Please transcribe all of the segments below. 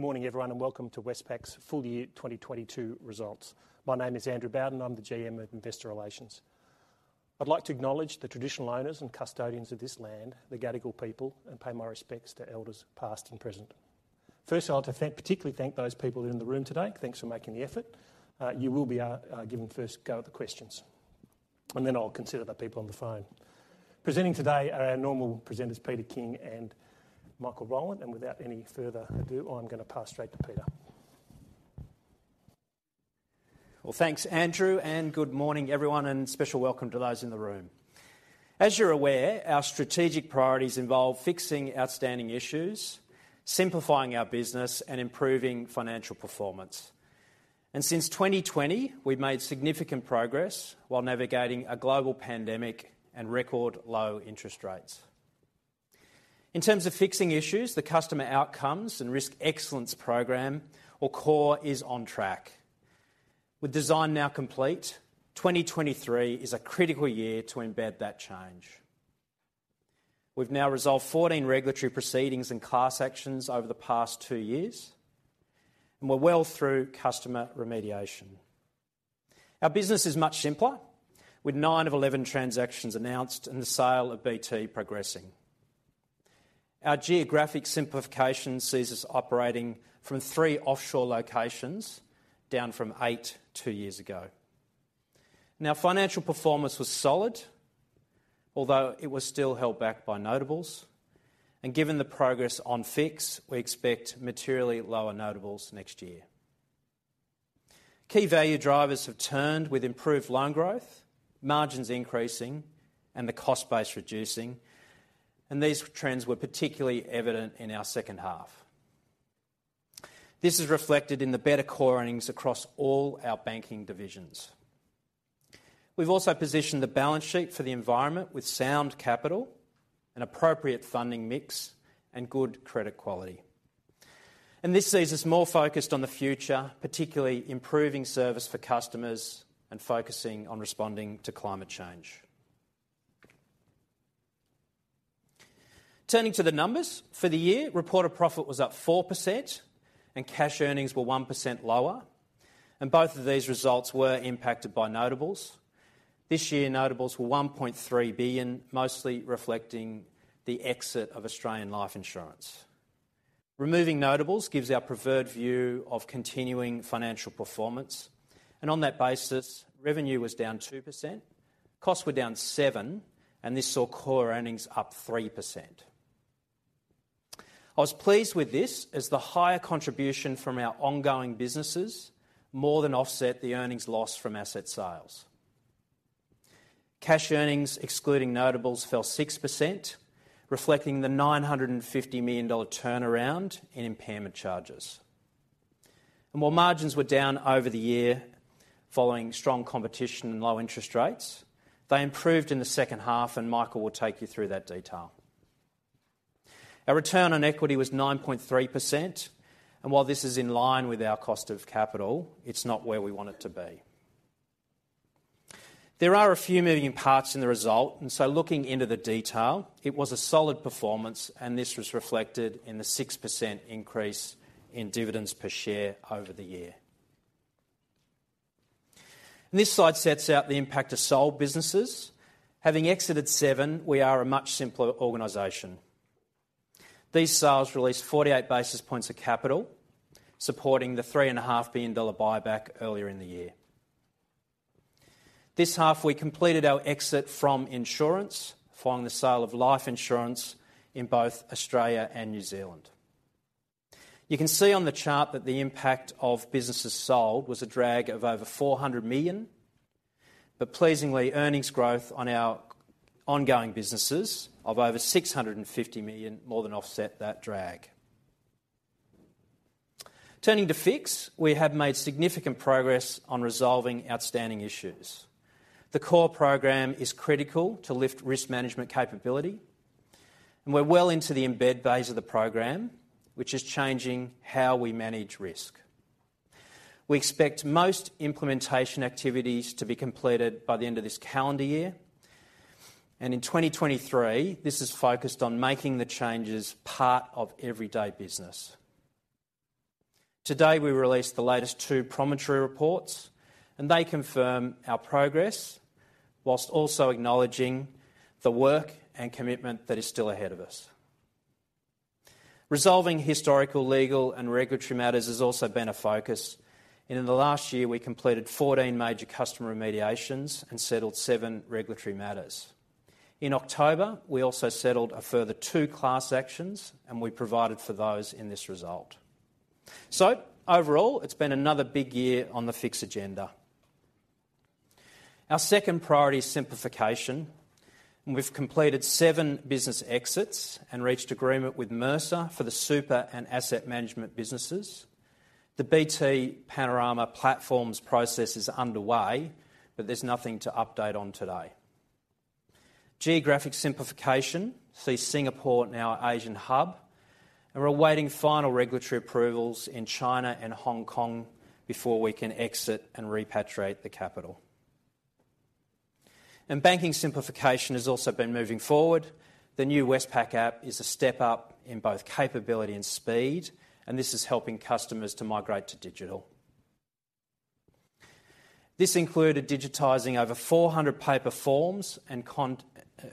Good morning, everyone, and welcome to Westpac's full year 2022 results. My name is Andrew Bowden, I'm the GM of Investor Relations. I'd like to acknowledge the traditional owners and custodians of this land, the Gadigal people, and pay my respects to elders past and present. First, I'd like to thank particularly those people who are in the room today. Thanks for making the effort. You will be given first go at the questions. Then I'll consider the people on the phone. Presenting today are our normal presenters, Peter King and Michael Rowland. Without any further ado, I'm gonna pass straight to Peter. Well, thanks, Andrew, and good morning, everyone, and special welcome to those in the room. As you're aware, our strategic priorities involve fixing outstanding issues, simplifying our business, and improving financial performance. Since 2020, we've made significant progress while navigating a global pandemic and record low interest rates. In terms of fixing issues, the Customer Outcomes and Risk Excellence program or CORE is on track. With design now complete, 2023 is a critical year to embed that change. We've now resolved 14 regulatory proceedings and class actions over the past two years, and we're well through customer remediation. Our business is much simpler, with 9 of 11 transactions announced and the sale of BT progressing. Our geographic Simplification sees us operating from 3 offshore locations, down from 8 two years ago. Now, financial performance was solid, although it was still held back by notables. Given the progress on Fix, we expect materially lower notables next year. Key value drivers have turned with improved loan growth, margins increasing, and the cost base reducing, and these trends were particularly evident in our second half. This is reflected in the better Core Earnings across all our banking divisions. We've also positioned the balance sheet for the environment with sound capital, an appropriate funding mix, and good credit quality. This sees us more focused on the future, particularly improving service for customers and focusing on responding to climate change. Turning to the numbers. For the year, Reported Profit was up 4% and Cash Earnings were 1% lower, and both of these results were impacted by notables. This year, notables were 1.3 billion, mostly reflecting the exit of Australian Life Insurance. Removing notables gives our preferred view of continuing financial performance, and on that basis, revenue was down 2%, costs were down 7%, and this saw Core Earnings up 3%. I was pleased with this as the higher contribution from our ongoing businesses more than offset the earnings lost from asset sales. Cash Earnings, excluding notables, fell 6%, reflecting the 950 million dollar turnaround in impairment charges. While margins were down over the year following strong competition and low interest rates, they improved in the second half, and Michael will take you through that detail. Our return on equity was 9.3%, and while this is in line with our cost of capital, it's not where we want it to be. There are a few moving parts in the result, and so looking into the detail, it was a solid performance, and this was reflected in the 6% increase in dividends per share over the year. This slide sets out the impact of sold businesses. Having exited 7, we are a much simpler organization. These sales released 48 basis points of capital, supporting the 3.5 billion dollar buyback earlier in the year. This half, we completed our exit from insurance following the sale of Life Insurance in both Australia and New Zealand. You can see on the chart that the impact of businesses sold was a drag of over 400 million, but pleasingly, earnings growth on our ongoing businesses of over 650 million more than offset that drag. Turning to Fix, we have made significant progress on resolving outstanding issues. The CORE program is critical to lift risk management capability, and we're well into the embed phase of the program, which is changing how we manage risk. We expect most implementation activities to be completed by the end of this calendar year. In 2023, this is focused on making the changes part of everyday business. Today, we released the latest two Promontory reports, and they confirm our progress while also acknowledging the work and commitment that is still ahead of us. Resolving historical, legal, and regulatory matters has also been a focus, and in the last year, we completed 14 major customer remediations and settled seven regulatory matters. In October, we also settled a further two class actions, and we provided for those in this result. Overall, it's been another big year on the Fix agenda. Our second priority is Simplification, and we've completed 7 business exits and reached agreement with Mercer for the Super and Asset Management businesses. The BT Panorama platforms process is underway, but there's nothing to update on today. Geographic Simplification sees Singapore, now our Asian hub, and we're awaiting final regulatory approvals in China and Hong Kong before we can exit and repatriate the capital. Banking Simplification has also been moving forward. The new Westpac App is a step up in both capability and speed, and this is helping customers to migrate to Digital. This included digitizing over 400 paper forms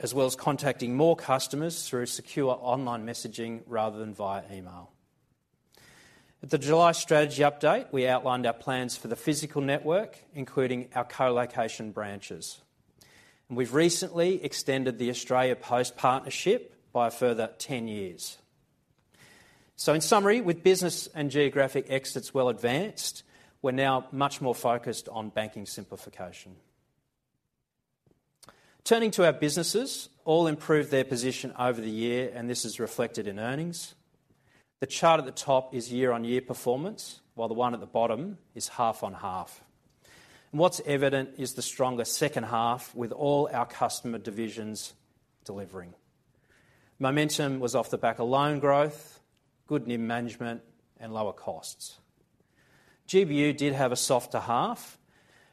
as well as contacting more customers through secure online messaging rather than via email. At the July Strategy Update, we outlined our plans for the physical network, including our co-location branches. We've recently extended the Australia Post partnership by a further 10 years. In summary, with business and geographic exits well advanced, we're now much more focused on banking Simplification. Turning to our businesses, all improved their position over the year, and this is reflected in earnings. The chart at the top is year-on-year performance, while the one at the bottom is half on half. What's evident is the stronger second half with all our customer divisions delivering. Momentum was off the back of loan growth, good NIM management, and lower costs. GBU did have a softer half,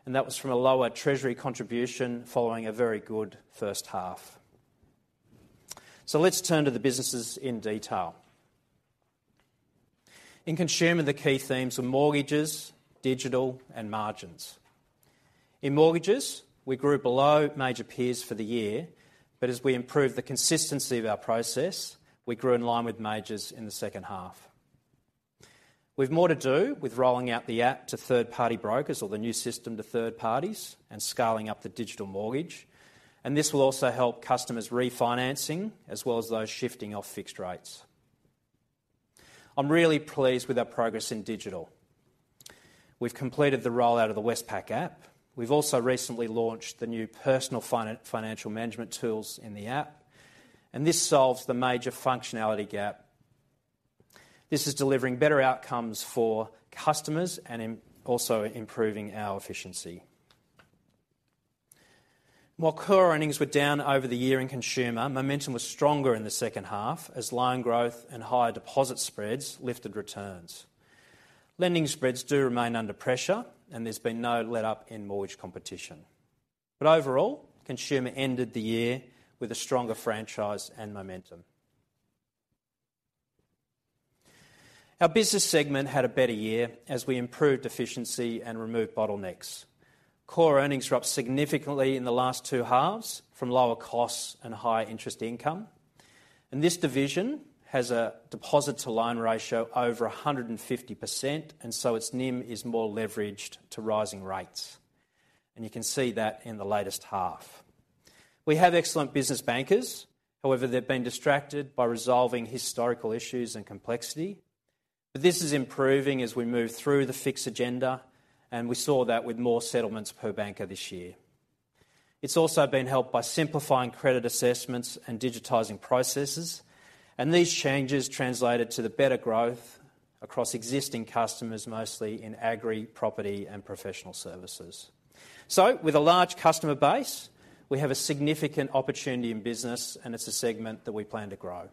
and that was from a lower treasury contribution following a very good first half. Let's turn to the businesses in detail. In Consumer, the key themes were mortgages, Digital, and margins. In mortgages, we grew below major peers for the year, but as we improved the consistency of our process, we grew in line with majors in the second half. We've more to do with rolling out the app to third-party brokers or the new system to third parties and scaling up the Digital Mortgage, and this will also help customers refinancing as well as those shifting off fixed rates. I'm really pleased with our progress in Digital. We've completed the rollout of the Westpac App. We've also recently launched the new Personal Financial Management tools in the app, and this solves the major functionality gap. This is delivering better outcomes for customers and also improving our efficiency. While Core Earnings were down over the year in Consumer, momentum was stronger in the second half as loan growth and higher Deposit Spreads lifted returns. Lending Spreads do remain under pressure, and there's been no letup in mortgage competition. Overall, Consumer ended the year with a stronger franchise and momentum. Our business segment had a better year as we improved efficiency and removed bottlenecks. Core Earnings dropped significantly in the last 2 halves from lower costs and higher interest income. This division has a deposit-to-loan ratio over 150%, and so its NIM is more leveraged to rising rates. You can see that in the latest half. We have excellent business bankers. However, they've been distracted by resolving historical issues and complexity. This is improving as we move through the fixed agenda, and we saw that with more settlements per banker this year. It's also been helped by simplifying credit assessments and digitizing processes, and these changes translated to the better growth across existing customers, mostly in Agri, Property, and Professional Services. With a large customer base, we have a significant opportunity in Business, and it's a segment that we plan to grow.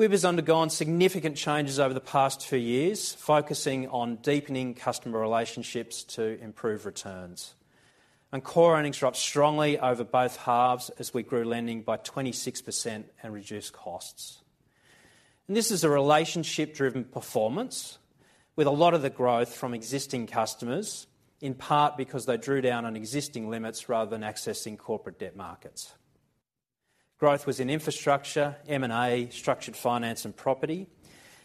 Westpac Institutional Bank has undergone significant changes over the past two years, focusing on deepening customer relationships to improve returns. Core Earnings dropped strongly over both halves as we grew lending by 26% and reduced costs. This is a relationship-driven performance with a lot of the growth from existing customers, in part because they drew down on existing limits rather than accessing corporate debt markets. Growth was in Infrastructure, M&A, Structured Finance, and Property,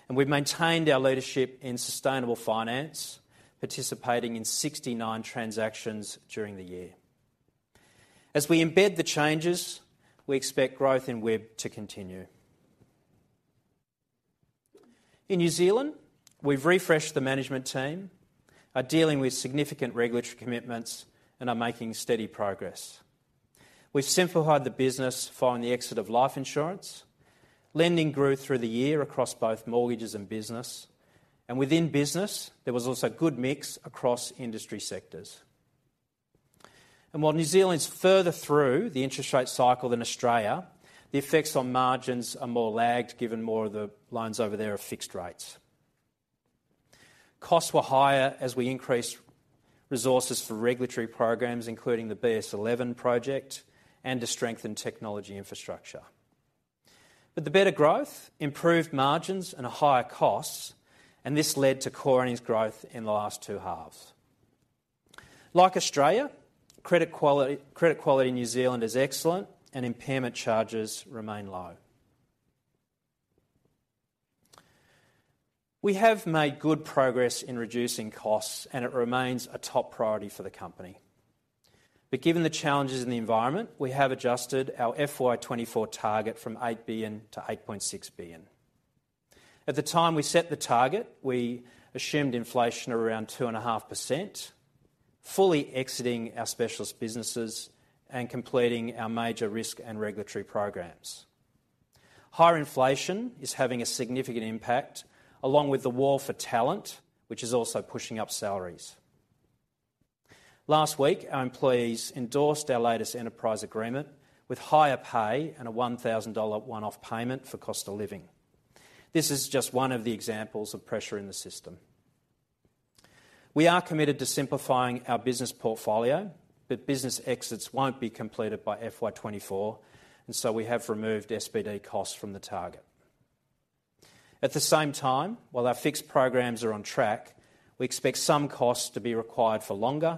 and we've maintained our leadership in Sustainable Finance, participating in 69 transactions during the year. As we embed the changes, we expect growth in Westpac Institutional Bank to continue. In New Zealand, we've refreshed the management team, are dealing with significant regulatory commitments, and are making steady progress. We've simplified the business following the exit of Life Insurance. Lending grew through the year across both mortgages and business. Within Business, there was also good mix across industry sectors. While New Zealand's further through the interest rate cycle than Australia, the effects on margins are more lagged, given more of the loans over there are fixed rates. Costs were higher as we increased resources for regulatory programs, including the BS11 project, and to strengthen technology infrastructure. The better growth improved margins and higher costs, and this led to Core Earnings growth in the last two halves. Like Australia, credit quality in New Zealand is excellent and impairment charges remain low. We have made good progress in reducing costs, and it remains a top priority for the company. Given the challenges in the environment, we have adjusted our FY24 target from 8 billion to 8.6 billion. At the time we set the target, we assumed inflation around 2.5%, fully exiting our Specialist Businesses and completing our major risk and regulatory programs. Higher inflation is having a significant impact along with the war for talent, which is also pushing up salaries. Last week, our employees endorsed our latest Enterprise Agreement with higher pay and a 1,000 dollar one-off payment for cost of living. This is just one of the examples of pressure in the system. We are committed to simplifying our business portfolio, but business exits won't be completed by FY24, and so we have removed SPD costs from the target. At the same time, while our fixed programs are on track, we expect some costs to be required for longer,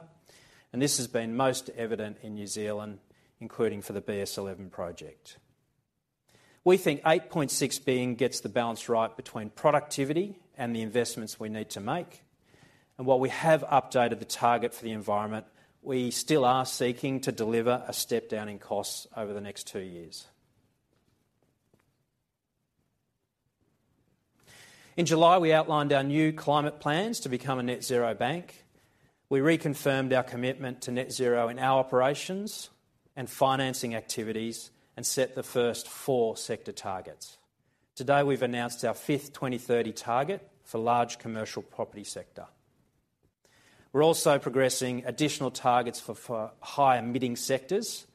and this has been most evident in New Zealand, including for the BS11 project. We think 8.6 being gets the balance right between productivity and the investments we need to make, and while we have updated the target for the environment, we still are seeking to deliver a step down in costs over the next 2 years. In July, we outlined our new climate plans to become a Net Zero bank. We reconfirmed our commitment to Net Zero in our operations and financing activities and set the first 4 sector targets. Today, we've announced our fifth 2030 target for Large Commercial Property sector. We're also progressing additional targets for high-emitting sectors,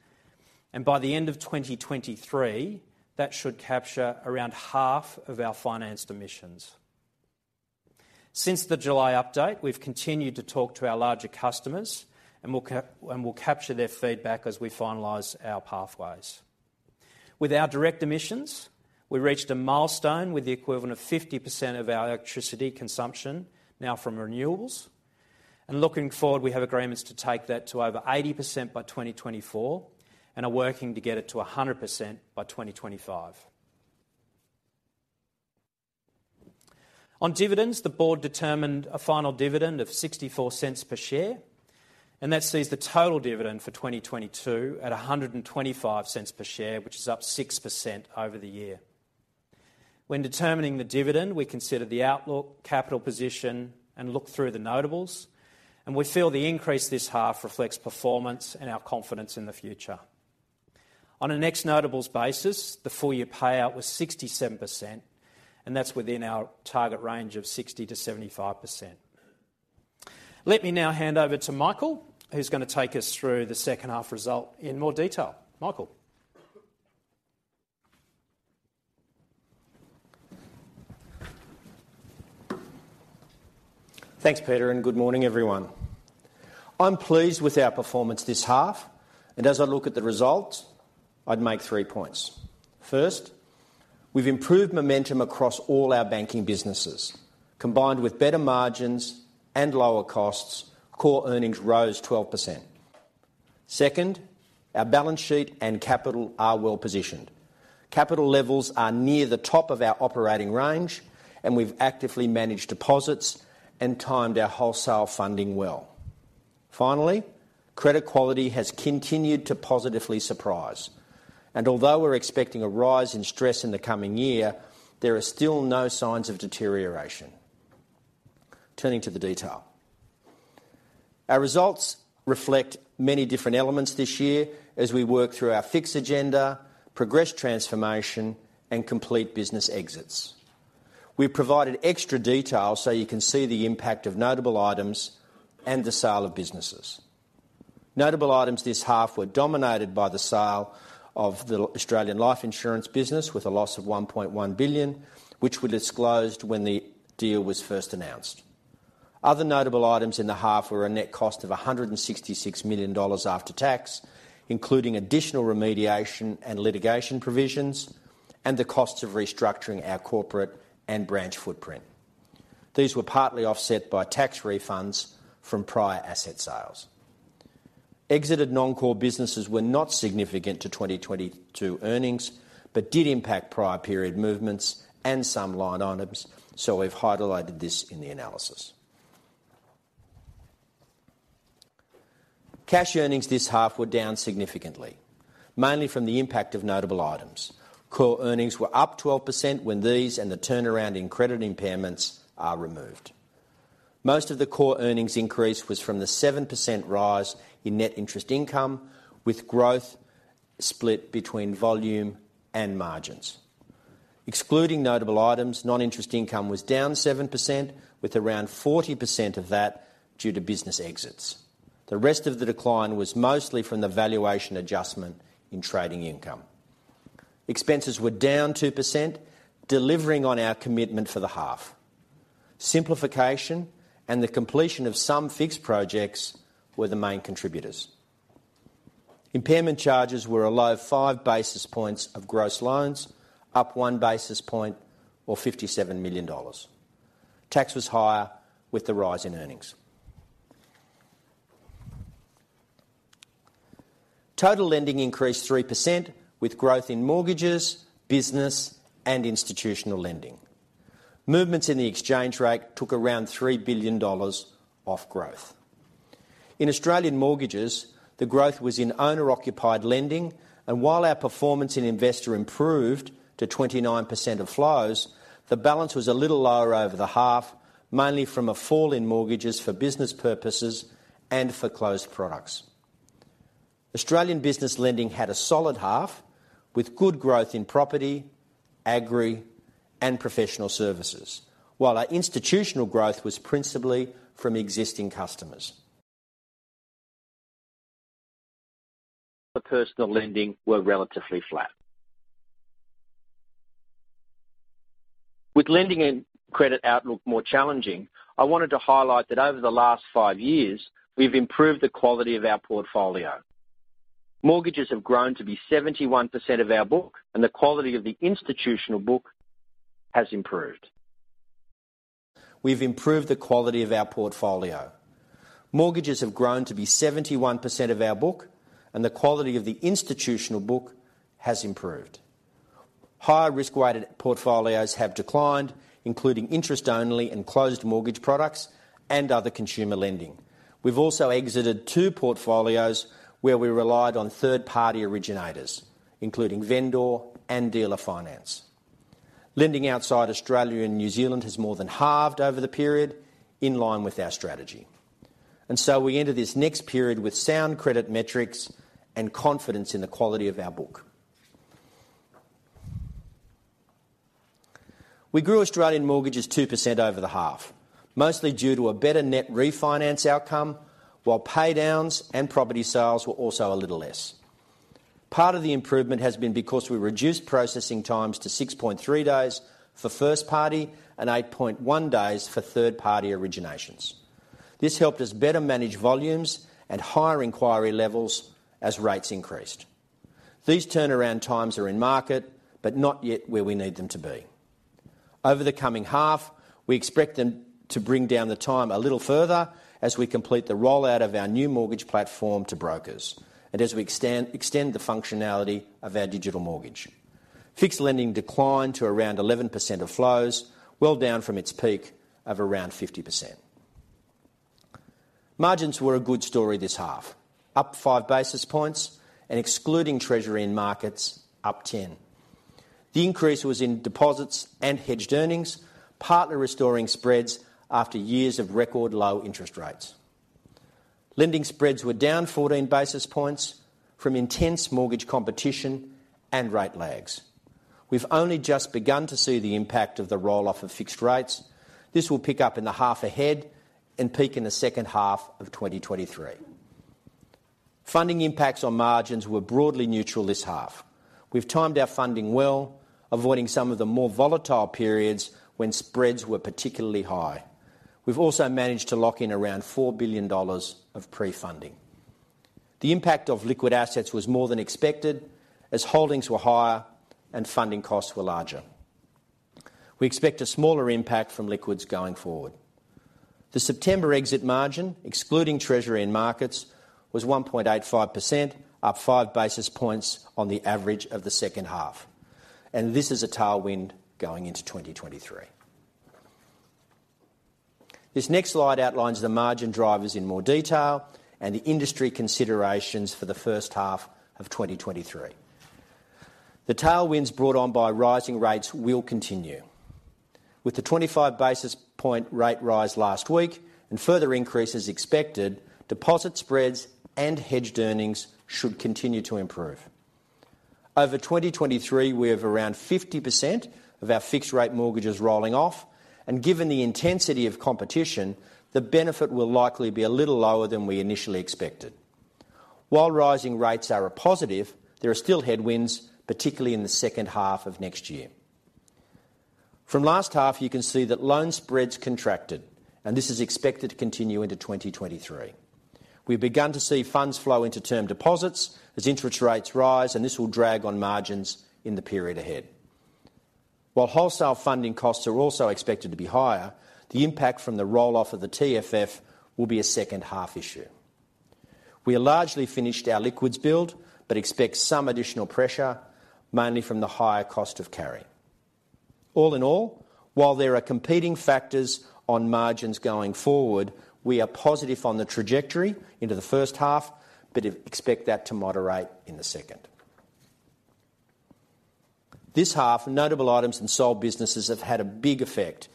and by the end of 2023, that should capture around half of our financed emissions. Since the July update, we've continued to talk to our larger customers and will capture their feedback as we finalize our pathways. With our direct emissions, we reached a milestone with the equivalent of 50% of our electricity consumption now from renewables. Looking forward, we have agreements to take that to over 80% by 2024 and are working to get it to 100% by 2025. On dividends, the Board determined a final dividend of 0.64 per share, and that sees the total dividend for 2022 at 1.25 per share, which is up 6% over the year. When determining the dividend, we consider the outlook, capital position, and look through the notables, and we feel the increase this half reflects performance and our confidence in the future. On a next notables basis, the full year payout was 67%, and that's within our target range of 60%-75%. Let me now hand over to Michael, who's gonna take us through the second half result in more detail. Michael. Thanks, Peter, and good morning, everyone. I'm pleased with our performance this half, and as I look at the results, I'd make three points. First, we've improved momentum across all our banking businesses. Combined with better margins and lower costs, Core Earnings rose 12%. Second, our balance sheet and capital are well-positioned. Capital levels are near the top of our operating range, and we've actively managed deposits and timed our wholesale funding well. Finally, credit quality has continued to positively surprise. Although we're expecting a rise in stress in the coming year, there are still no signs of deterioration. Turning to the details. Our results reflect many different elements this year as we work through our fixed agenda, progress Transformation, and complete business exits. We've provided extra details so you can see the impact of Notable Items and the sale of businesses. Notable Items this half were dominated by the sale of the Australian Life Insurance business with a loss of 1.1 billion, which we disclosed when the deal was first announced. Other Notable Items in the half were a net cost of 166 million dollars after tax, including additional remediation and litigation provisions and the costs of restructuring our corporate and branch footprint. These were partly offset by tax refunds from prior asset sales. Exited non-core businesses were not significant to 2022 earnings, but did impact prior period movements and some line items, so we've highlighted this in the analysis. Cash Earnings this half were down significantly, mainly from the impact of Notable Items. Core Earnings were up 12% when these and the turnaround in credit impairments are removed. Most of the Core Earnings increase was from the 7% rise in Net Interest Income, with growth split between volume and margins. Excluding Notable Items, non-interest income was down 7%, with around 40% of that due to business exits. The rest of the decline was mostly from the valuation adjustment in trading income. Expenses were down 2%, delivering on our commitment for the half. Simplification and the completion of some fixed projects were the main contributors. Impairment charges were a low 5 basis points of gross loans, up 1 basis point or 57 million dollars. Tax was higher with the rise in earnings. Total lending increased 3% with growth in mortgages, business, and institutional lending. Movements in the exchange rate took around 3 billion dollars off growth. In Australian mortgages, the growth was in owner-occupied lending, and while our performance in investor improved to 29% of flows, the balance was a little lower over the half, mainly from a fall in mortgages for business purposes and for closed products. Australian business lending had a solid half with good growth Property, Agri, and Professional Services. while our institutional growth was principally from existing customers. The Personal lending were relatively flat. With lending and credit outlook more challenging, I wanted to highlight that over the last 5 years, we've improved the quality of our portfolio. Mortgages have grown to be 71% of our book, and the quality of the institutional book has improved. Higher risk-weighted portfolios have declined, including Interest Only and closed mortgage products and other Consumer lending. We've also exited two portfolios where we relied on third-party originators, including Vendor and Dealer Finance. Lending outside Australia and New Zealand has more than halved over the period in line with our strategy. We enter this next period with sound credit metrics and confidence in the quality of our book. We grew Australian mortgages 2% over the half, mostly due to a better net refinance outcome, while paydowns and property sales were also a little less. Part of the improvement has been because we reduced processing times to 6.3 days for first party and 8.1 days for third-party originations. This helped us better manage volumes and higher inquiry levels as rates increased. These turnaround times are in market, but not yet where we need them to be. Over the coming half, we expect them to bring down the time a little further as we complete the rollout of our new mortgage platform to brokers and as we extend the functionality of our Digital Mortgage. Fixed lending declined to around 11% of flows, well down from its peak of around 50%. Margins were a good story this half, up 5 basis points and excluding Treasury and Markets up 10. The increase was in deposits and hedged earnings, partly restoring spreads after years of record low interest rates. Lending Spreads were down 14 basis points from intense mortgage competition and rate lags. We've only just begun to see the impact of the roll-off of fixed rates. This will pick up in the half ahead and peak in the second half of 2023. Funding impacts on margins were broadly neutral this half. We've timed our funding well, avoiding some of the more volatile periods when spreads were particularly high. We've also managed to lock in around 4 billion dollars of pre-funding. The impact of liquid assets was more than expected, as holdings were higher and funding costs were larger. We expect a smaller impact from liquids going forward. The September exit margin, excluding Treasury and Markets, was 1.85%, up 5 basis points on the average of the second half. This is a tailwind going into 2023. This next slide outlines the margin drivers in more detail and the industry considerations for the first half of 2023. The tailwinds brought on by rising rates will continue. With the 25 basis point rate rise last week and further increases expected, Deposit Spreads and hedged earnings should continue to improve. Over 2023, we have around 50% of our fixed rate mortgages rolling off, and given the intensity of competition, the benefit will likely be a little lower than we initially expected. While rising rates are a positive, there are still headwinds, particularly in the second half of next year. From last half, you can see that loan spreads contracted, and this is expected to continue into 2023. We've begun to see funds flow into Term Deposits as interest rates rise, and this will drag on margins in the period ahead. While wholesale funding costs are also expected to be higher, the impact from the roll-off of the TFF will be a second half issue. We are largely finished our liquidity build, but expect some additional pressure, mainly from the higher cost of carry. All in all, while there are competing factors on margins going forward, we are positive on the trajectory into the first half, but expect that to moderate in the second. This half, Notable Items and sold businesses have had a big effect.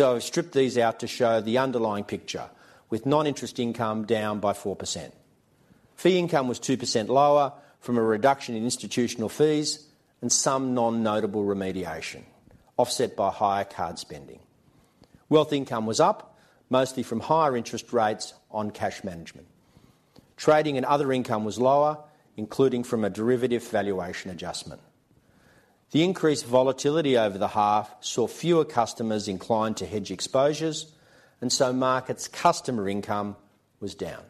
I've stripped these out to show the underlying picture with non-interest income down by 4%. Fee income was 2% lower from a reduction in institutional fees and some non-notable remediation, offset by higher card spending. Wealth income was up, mostly from higher interest rates on cash management. Trading and other income was lower, including from a derivative valuation adjustment. The increased volatility over the half saw fewer customers inclined to hedge exposures, and so markets customer income was down.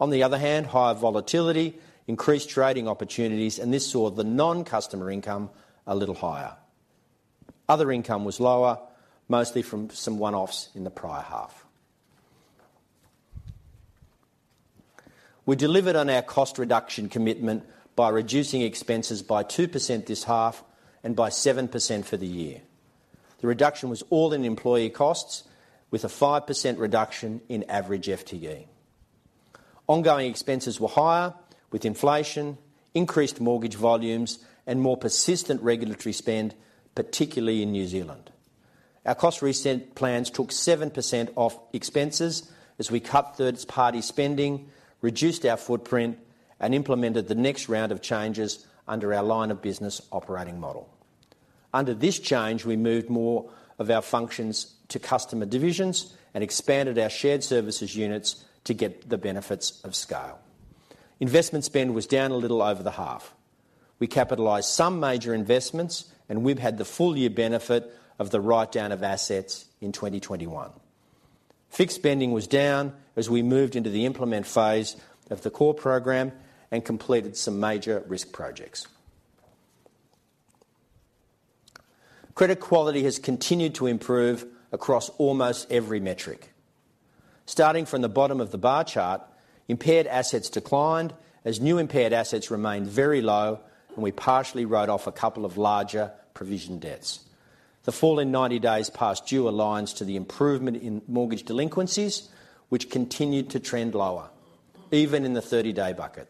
On the other hand, higher volatility increased trading opportunities, and this saw the non-customer income a little higher. Other income was lower, mostly from some one-offs in the prior half. We delivered on our cost reduction commitment by reducing expenses by 2% this half and by 7% for the year. The reduction was all in employee costs with a 5% reduction in average FTE. Ongoing expenses were higher with inflation, increased mortgage volumes, and more persistent regulatory spend, particularly in New Zealand. Our cost reduction plans took 7% off expenses as we cut third party spending, reduced our footprint, and implemented the next round of changes under our Line of Business operating model. Under this change, we moved more of our functions to customer divisions and expanded our shared services units to get the benefits of scale. Investment spend was down a little over the half. We capitalized some major investments, and we've had the full year benefit of the write down of assets in 2021. Fixed spending was down as we moved into the implement phase of the core program and completed some major risk projects. Credit quality has continued to improve across almost every metric. Starting from the bottom of the bar chart, impaired assets declined as new impaired assets remained very low, and we partially wrote off a couple of larger provision debts. The fall in 90 days past due aligns to the improvement in mortgage delinquencies, which continued to trend lower even in the 30-day bucket.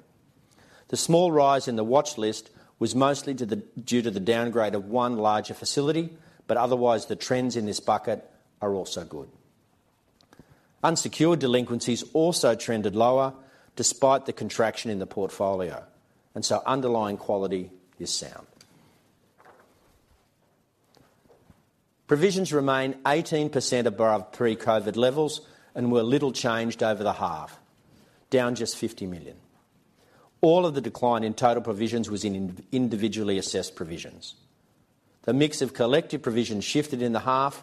The small rise in the watch list was mostly due to the downgrade of one larger facility, but otherwise, the trends in this bucket are also good. Unsecured delinquencies also trended lower despite the contraction in the portfolio, and so underlying quality is sound. Provisions remain 18% above pre-COVID levels and were little changed over the half, down just 50 million. All of the decline in total provisions was in Individually Assessed Provisions. The mix of collective provisions shifted in the half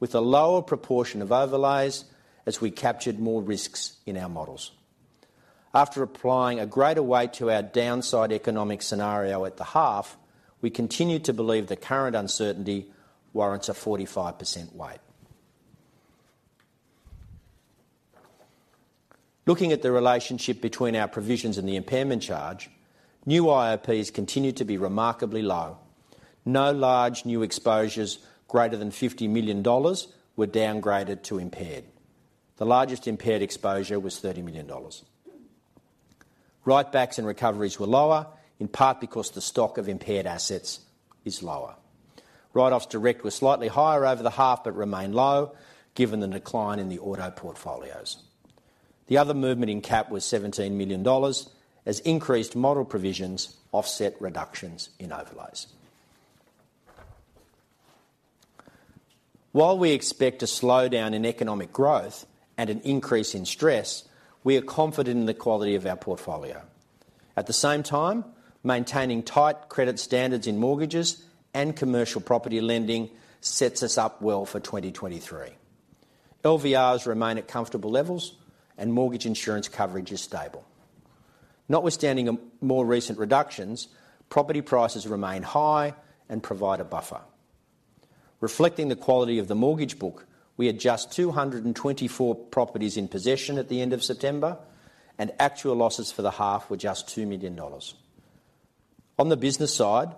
with a lower proportion of overlays as we captured more risks in our models. After applying a greater weight to our downside economic scenario at the half, we continue to believe the current uncertainty warrants a 45% weight. Looking at the relationship between our provisions and the impairment charge, new IOPs continue to be remarkably low. No large new exposures greater than 50 million dollars were downgraded to impaired. The largest impaired exposure was 30 million dollars. Write-backs and recoveries were lower, in part because the stock of impaired assets is lower. Write-offs direct were slightly higher over the half, but remain low given the decline in the auto portfolios. The other movement in CAP was 17 million dollars as increased model provisions offset reductions in overlays. While we expect a slowdown in economic growth and an increase in stress, we are confident in the quality of our portfolio. At the same time, maintaining tight credit standards in mortgages and commercial property lending sets us up well for 2023. LVRs remain at comfortable levels, and mortgage insurance coverage is stable. Notwithstanding more recent reductions, property prices remain high and provide a buffer. Reflecting the quality of the mortgage book, we had just 224 properties in possession at the end of September, and actual losses for the half were just 2 million dollars. On the Business side,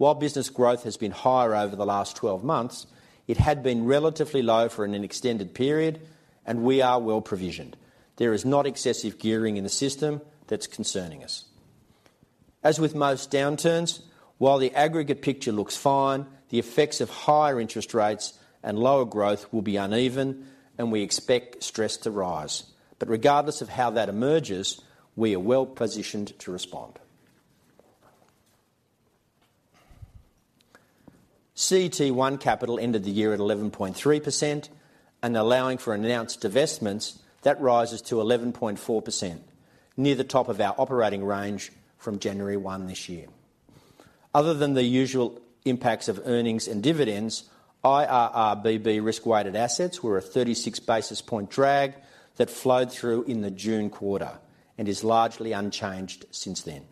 while business growth has been higher over the last 12 months, it had been relatively low for an extended period, and we are well provisioned. There is not excessive gearing in the system that's concerning us. As with most downturns, while the aggregate picture looks fine, the effects of higher interest rates and lower growth will be uneven, and we expect stress to rise. Regardless of how that emerges, we are well-positioned to respond. CET1 capital ended the year at 11.3% and allowing for announced divestments, that rises to 11.4%, near the top of our operating range from January 1 this year. Other than the usual impacts of earnings and dividends, IRRBB risk-weighted assets were a 36 basis point drag that flowed through in the June quarter and is largely unchanged since then.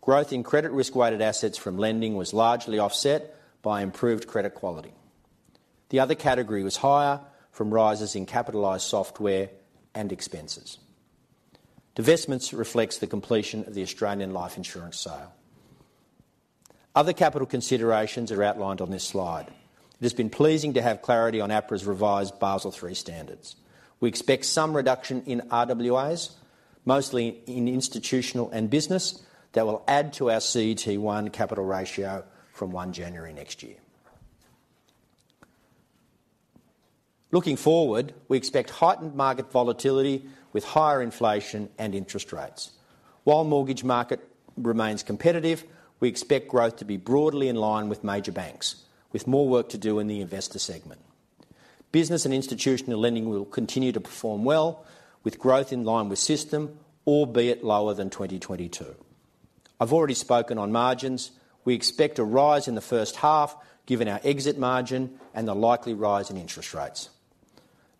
Growth in credit risk-weighted assets from lending was largely offset by improved credit quality. The other category was higher from rises in capitalized software and expenses. Divestments reflects the completion of the Australian Life Insurance sale. Other capital considerations are outlined on this slide. It has been pleasing to have clarity on APRA's revised Basel III standards. We expect some reduction in RWAs, mostly in institutional and business, that will add to our CET1 capital ratio from 1 January next year. Looking forward, we expect heightened market volatility with higher inflation and interest rates. While mortgage market remains competitive, we expect growth to be broadly in line with major banks, with more work to do in the investor segment. Business and Institutional lending will continue to perform well with growth in line with system, albeit lower than 2022. I've already spoken on margins. We expect a rise in the first half given our exit margin and the likely rise in interest rates.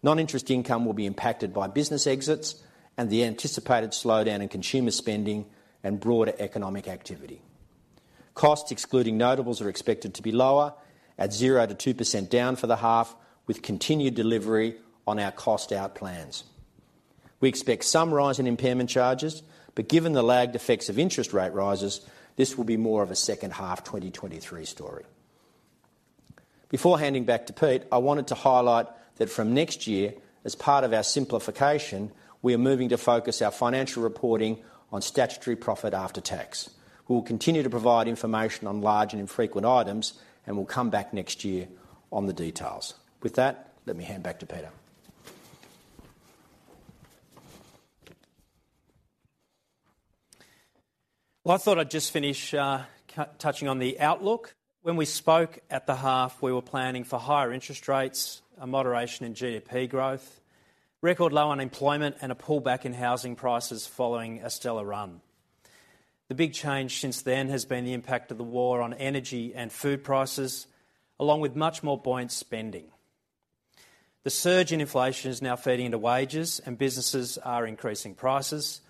Non-interest income will be impacted by business exits and the anticipated slowdown in Consumer spending and broader economic activity. Costs, excluding notables, are expected to be lower at 0%-2% down for the half with continued delivery on our cost out plans. We expect some rise in impairment charges, but given the lagged effects of interest rate rises, this will be more of a second half 2023 story. Before handing back to Pete, I wanted to highlight that from next year, as part of our Simplification, we are moving to focus our financial reporting on statutory profit after tax. We will continue to provide information on large and infrequent items, and we'll come back next year on the details. With that, let me hand back to Peter. Well, I thought I'd just finish touching on the outlook. When we spoke at the half, we were planning for higher interest rates, a moderation in GDP growth, record low unemployment, and a pullback in housing prices following a stellar run. The big change since then has been the impact of the war on energy and food prices, along with much more buoyant spending. The surge in inflation is now feeding into wages, and businesses are increasing prices.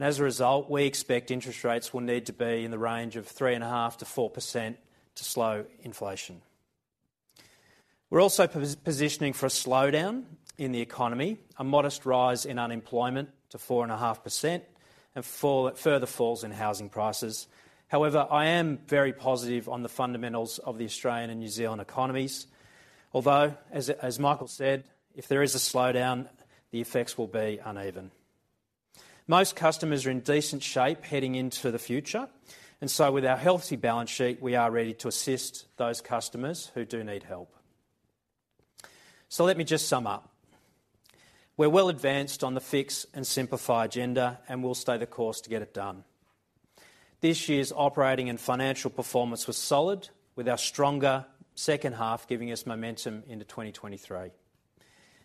As a result, we expect interest rates will need to be in the range of 3.5%-4% to slow inflation. We're also positioning for a slowdown in the economy, a modest rise in unemployment to 4.5%, and further falls in housing prices. However, I am very positive on the fundamentals of the Australian and New Zealand economies, although, as Michael said, if there is a slowdown, the effects will be uneven. Most customers are in decent shape heading into the future, and so with our healthy balance sheet, we are ready to assist those customers who do need help. Let me just sum up. We're well advanced on the fix and simplify agenda, and we'll stay the course to get it done. This year's operating and financial performance was solid, with our stronger second half giving us momentum into 2023.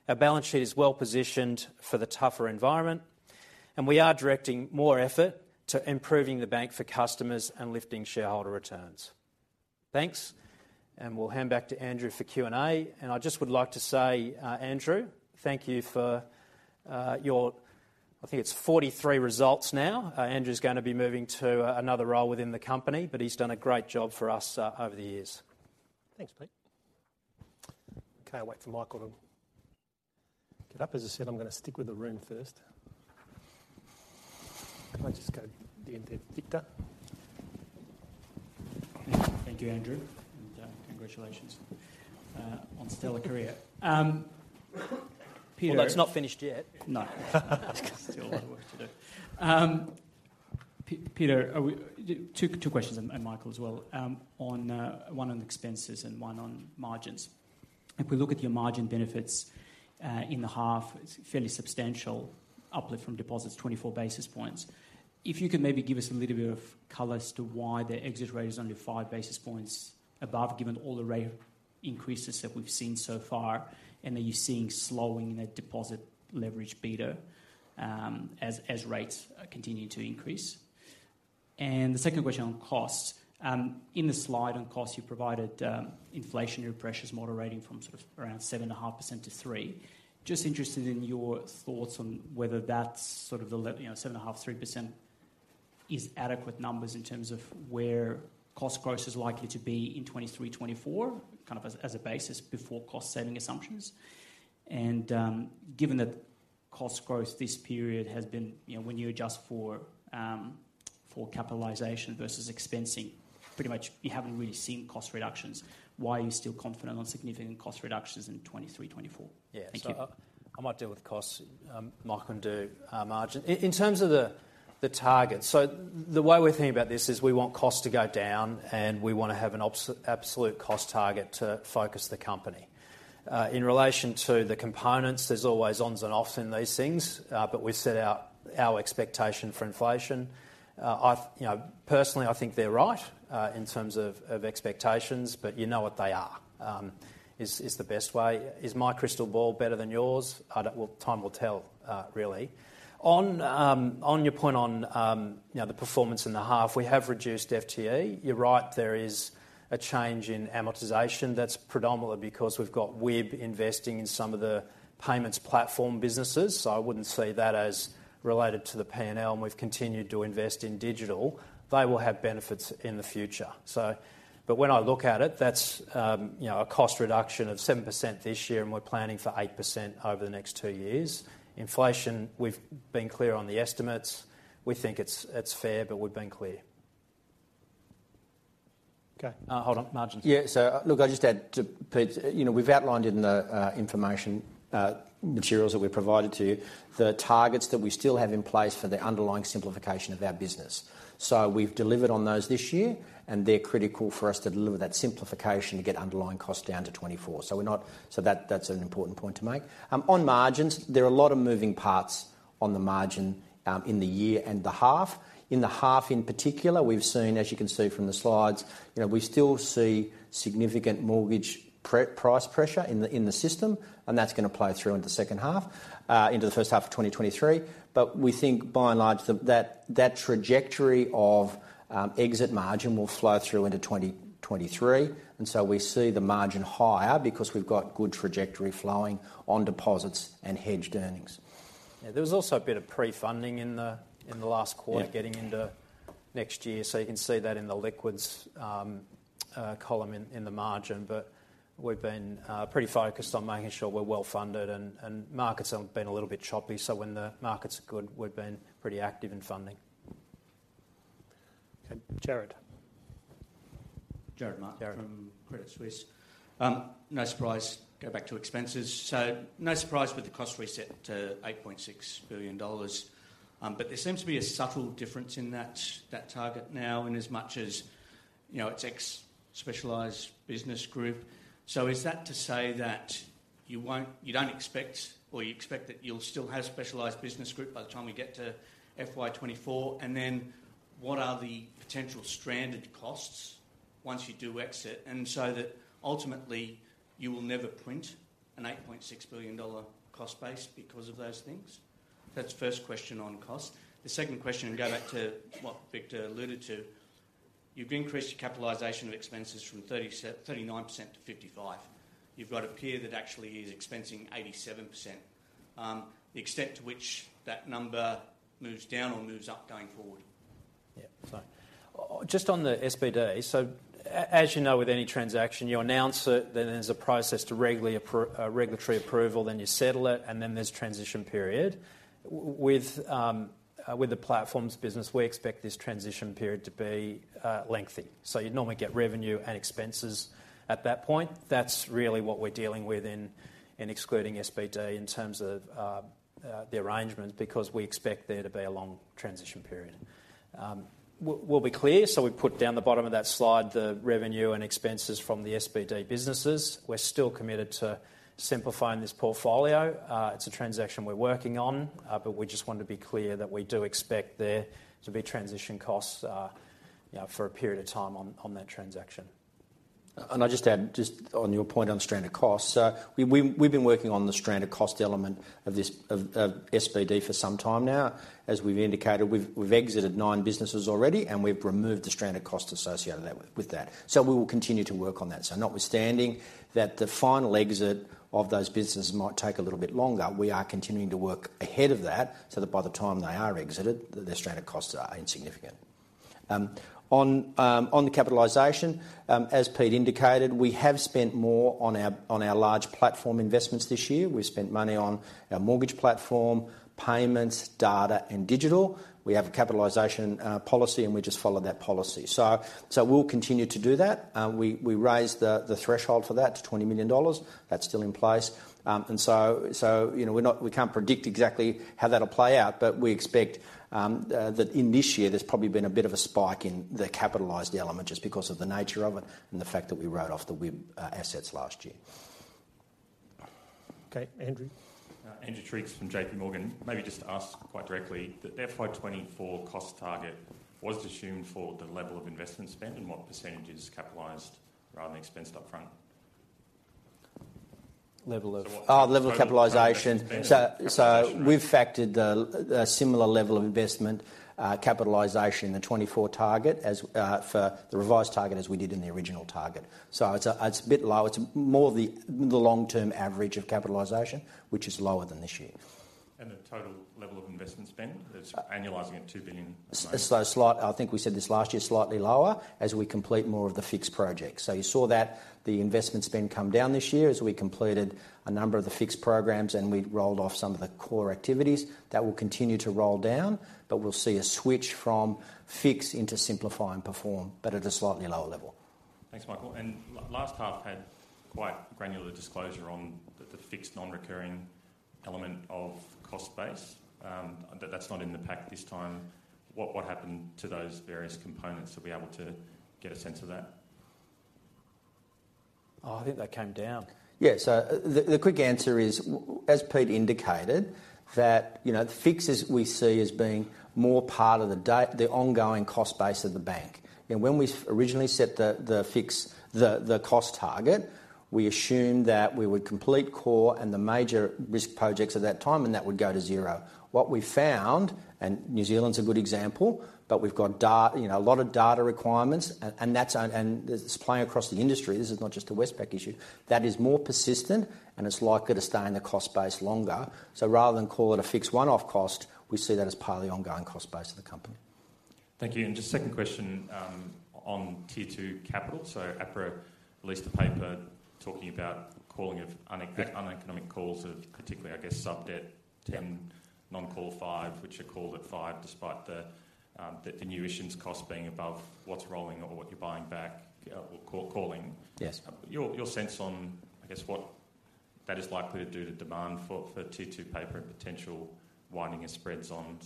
Our balance sheet is well-positioned for the tougher environment, and we are directing more effort to improving the bank for customers and lifting shareholder returns. Thanks. We'll hand back to Andrew for Q&A. I just would like to say, Andrew, thank you for your, I think it's 43 results now. Andrew's gonna be moving to another role within the company, but he's done a great job for us over the years. Thanks, Pete. Okay, I'll wait for Michael to get up. As I said, I'm gonna stick with the room first. Can I just go to the end there, Victor? Thank you, Andrew, and congratulations on a stellar career. Peter Although it's not finished yet. No. Still a lot of work to do. Peter, two questions, and Michael as well, on one on expenses and one on margins. If we look at your margin benefits, in the half, it's fairly substantial uplift from deposits, 24 basis points. If you could maybe give us a little bit of color as to why the exit rate is only 5 basis points above, given all the rate increases that we've seen so far, and are you seeing slowing in that deposit leverage beta, as rates continue to increase? The second question on costs. In the slide on costs, you provided, inflationary pressures moderating from sort of around 7.5% to 3. Just interested in your thoughts on whether that's sort of the, you know, 7.5, 3% is adequate numbers in terms of where cost growth is likely to be in 2023, 2024, kind of as a basis before cost-saving assumptions. Given that cost growth this period has been, you know, when you adjust for capitalization versus expensing, pretty much you haven't really seen cost reductions. Why are you still confident on significant cost reductions in 2023, 2024? Yeah. Thank you. I might deal with costs, Michael can do margin. In terms of the target, the way we're thinking about this is we want costs to go down, and we wanna have an absolute cost target to focus the company. In relation to the components, there's always ups and downs in these things, but we set out our expectation for inflation. You know, personally, I think they're right in terms of expectations, but you know what they are is the best way. Is my crystal ball better than yours? Well, time will tell, really. On your point, you know, the performance in the half, we have reduced FTE. You're right, there is a change in amortization. That's predominantly because we've got WIB investing in some of the payments platform businesses. I wouldn't see that as related to the P&L, and we've continued to invest in Digital. They will have benefits in the future. But when I look at it, that's, you know, a cost reduction of 7% this year, and we're planning for 8% over the next two years. Inflation, we've been clear on the estimates. We think it's fair, but we've been clear. Okay. Hold on. Margins. Yeah. Look, I'll just add to Peter. You know, we've outlined in the information materials that we provided to you the targets that we still have in place for the underlying Simplification of our business. We've delivered on those this year, and they're critical for us to deliver that Simplification to get underlying costs down to 24. We're not. That, that's an important point to make. On margins, there are a lot of moving parts on the margin in the year and the half. In the half, in particular, we've seen, as you can see from the slides, you know, we still see significant mortgage price pressure in the system, and that's gonna play through into second half into the first half of 2023. We think by and large that trajectory of exit margin will flow through into 2023, and so we see the margin higher because we've got good trajectory flowing on deposits and hedged earnings. Yeah. There was also a bit of pre-funding in the last quarter. Yeah getting into next year. You can see that in the liquids column in the margin. But we've been pretty focused on making sure we're well-funded and markets have been a little bit choppy, so when the market's good, we've been pretty active in funding. Okay. Jared. Jared Martin From Credit Suisse. No surprise, go back to expenses. No surprise with the cost reset to 8.6 billion dollars. But there seems to be a subtle difference in that target now, inasmuch as, you know, it's ex Specialist Businesses Division. Is that to say that you don't expect or you expect that you'll still have Specialist Businesses Division by the time we get to FY24? And then what are the potential stranded costs once you do exit? And ultimately you will never print an 8.6 billion dollar cost base because of those things? That's the first question on cost. The second question, going back to what Victor alluded to, you've increased your capitalization of expenses from 39% to 55%. You've got a peer that actually is expensing 87%. The extent to which that number moves down or moves up going forward. Just on the SBD, as you know, with any transaction, you announce it, then there's a process to regulatory approval, then you settle it, and then there's transition period. With the platforms business, we expect this transition period to be lengthy. You'd normally get revenue and expenses at that point. That's really what we're dealing with in excluding SBD in terms of the arrangement because we expect there to be a long transition period. We'll be clear, we put at the bottom of that slide, the revenue and expenses from the SBD businesses. We're still committed to simplifying this portfolio. It's a transaction we're working on, but we just wanted to be clear that we do expect there to be transition costs, you know, for a period of time on that transaction. I just add just on your point on stranded costs. We have been working on the stranded cost element of this of SBD for some time now. As we have indicated, we have exited 9 businesses already, and we have removed the stranded cost associated with that. We will continue to work on that. Notwithstanding that the final exit of those businesses might take a little bit longer, we are continuing to work ahead of that so that by the time they are exited, the stranded costs are insignificant. On the capitalization, as Pete indicated, we have spent more on our large platform investments this year. We spent money on our mortgage platform, payments, data, and Digital. We have a capitalization policy, and we just follow that policy. We'll continue to do that. We raised the threshold for that to 20 million dollars. That's still in place. You know, we can't predict exactly how that'll play out, but we expect that in this year there's probably been a bit of a spike in the capitalized element just because of the nature of it and the fact that we wrote off the WIM assets last year. Okay, Andrew. Andrew Triggs from JPMorgan. Maybe just to ask quite directly, the FY24 cost target was assumed for the level of investment spend and what percentage is capitalized rather than expensed upfront? Level of- Oh, level of capitalization. Total capitalization. We've factored the similar level of investment capitalization in the 2024 target as for the revised target as we did in the original target. It's a bit low. It's more the long-term average of capitalization, which is lower than this year. The total level of investment spend is annualizing at 2 billion. I think we said this last year, slightly lower as we complete more of the fixed projects. You saw that the investment spend come down this year as we completed a number of the fixed programs and we rolled off some of the core activities. That will continue to roll down, but we'll see a switch from fixed into simplify and perform, but at a slightly lower level. Thanks, Michael. Last half had quite granular disclosure on the fixed non-recurring element of cost base. That's not in the pack this time. What happened to those various components? Are we able to get a sense of that? Oh, I think they came down. Yeah. The quick answer is, as Pete indicated, that, you know, fixes we see as being more part of the ongoing cost base of the bank. You know, when we originally set the fix, the cost target, we assumed that we would complete core and the major risk projects at that time, and that would go to zero. What we found, and New Zealand's a good example, but we've got you know, a lot of data requirements and that's, and it's playing across the industry. This is not just a Westpac issue. That is more persistent, and it's likely to stay in the cost base longer. Rather than call it a fixed one-off cost, we see that as part of the ongoing cost base of the company. Thank you. Just second question on tier two capital. APRA released a paper talking about calling of uneconomic calls of particularly, I guess, sub-debt 10, non-call 5, which are called at 5 despite the new issuance cost being above what's rolling or what you're buying back or calling. Yes. Your sense on, I guess, what that is likely to do to demand for tier two paper and potential widening of spreads on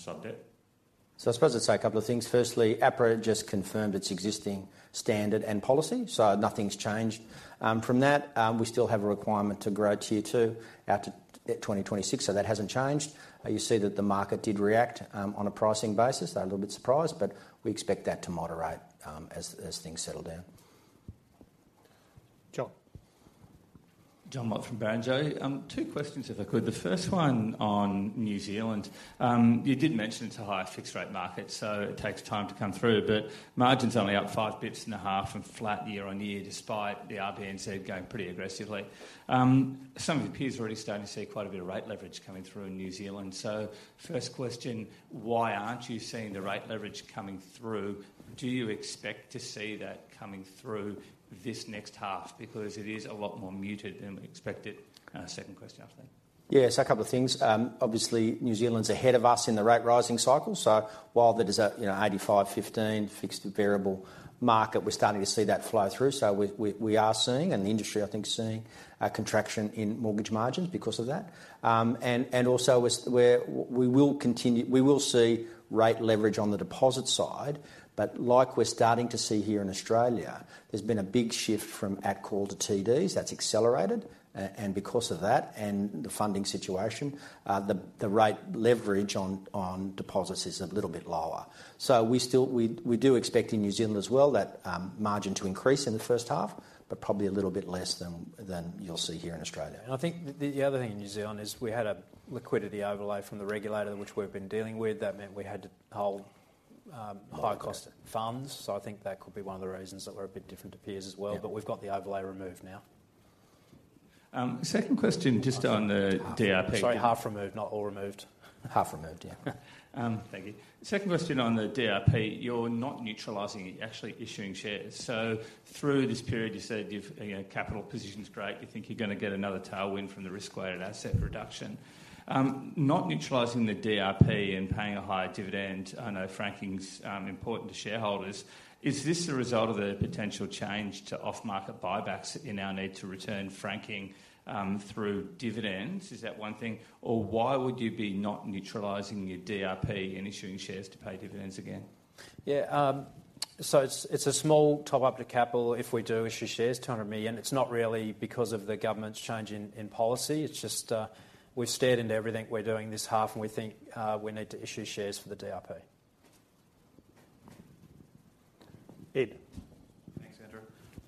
sub-debt? I suppose I'd say a couple of things. Firstly, APRA just confirmed its existing standard and policy, so nothing's changed from that. We still have a requirement to grow tier two out to 2026, so that hasn't changed. You see that the market did react on a pricing basis. They're a little bit surprised, but we expect that to moderate as things settle down. John. Jonathan Mott from Barrenjoey. Two questions if I could. The first one on New Zealand. You did mention it's a higher fixed rate market, so it takes time to come through. Margin's only up five bps and a half and flat year-on-year, despite the RBNZ going pretty aggressively. Some of the peers are already starting to see quite a bit of rate leverage coming through in New Zealand. First question, why aren't you seeing the rate leverage coming through? Do you expect to see that coming through this next half? Because it is a lot more muted than we expected. Second question after that. Yeah. A couple of things. Obviously, New Zealand's ahead of us in the rate-rising cycle. While there is a, you know, 85-15 fixed variable market, we're starting to see that flow through. We are seeing, and the industry, I think, is seeing a contraction in mortgage margins because of that. And also we will see rate leverage on the deposit side. Like we're starting to see here in Australia, there's been a big shift from at-call to TDs. That's accelerated. And because of that and the funding situation, the rate leverage on deposits is a little bit lower. We still do expect in New Zealand as well that margin to increase in the first half, but probably a little bit less than you'll see here in Australia. I think the other thing in New Zealand is we had a liquidity overlay from the regulator, which we've been dealing with. That meant we had to hold high-cost funds. I think that could be one of the reasons that we're a bit different to peers as well. Yeah. We've got the overlay removed now. Second question just on the DRP. Sorry, half removed, not all removed. Half removed, yeah. Thank you. Second question on the DRP, you're not neutralizing it, you're actually issuing shares. Through this period, you said you've, you know, capital position's great, you think you're gonna get another tailwind from the risk-weighted asset reduction. Not neutralizing the DRP and paying a higher dividend, I know franking's important to shareholders. Is this the result of a potential change to off-market buybacks that you now need to return franking through dividends? Is that one thing? Or why would you be not neutralizing your DRP and issuing shares to pay dividends again? Yeah, it's a small top-up to capital if we do issue shares, 200 million. It's not really because of the government's change in policy. It's just, we've steered into everything we're doing this half, and we think we need to issue shares for the DRP. Ed. Thanks,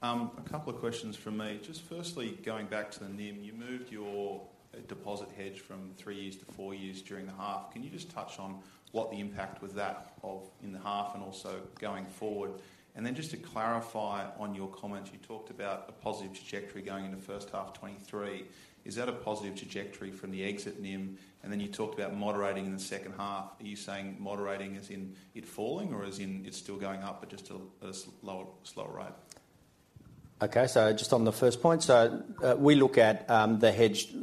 Andrew. A couple of questions from me. Just firstly, going back to the NIM. You moved your deposit hedge from 3 years to 4 years during the half. Can you just touch on what the impact was that of in the half and also going forward? Just to clarify on your comments, you talked about a positive trajectory going into first half 2023. Is that a positive trajectory from the exit NIM? You talked about moderating in the second half. Are you saying moderating as in it falling or as in it's still going up but just a slower rate? Okay. Just on the first point. We look at the hedged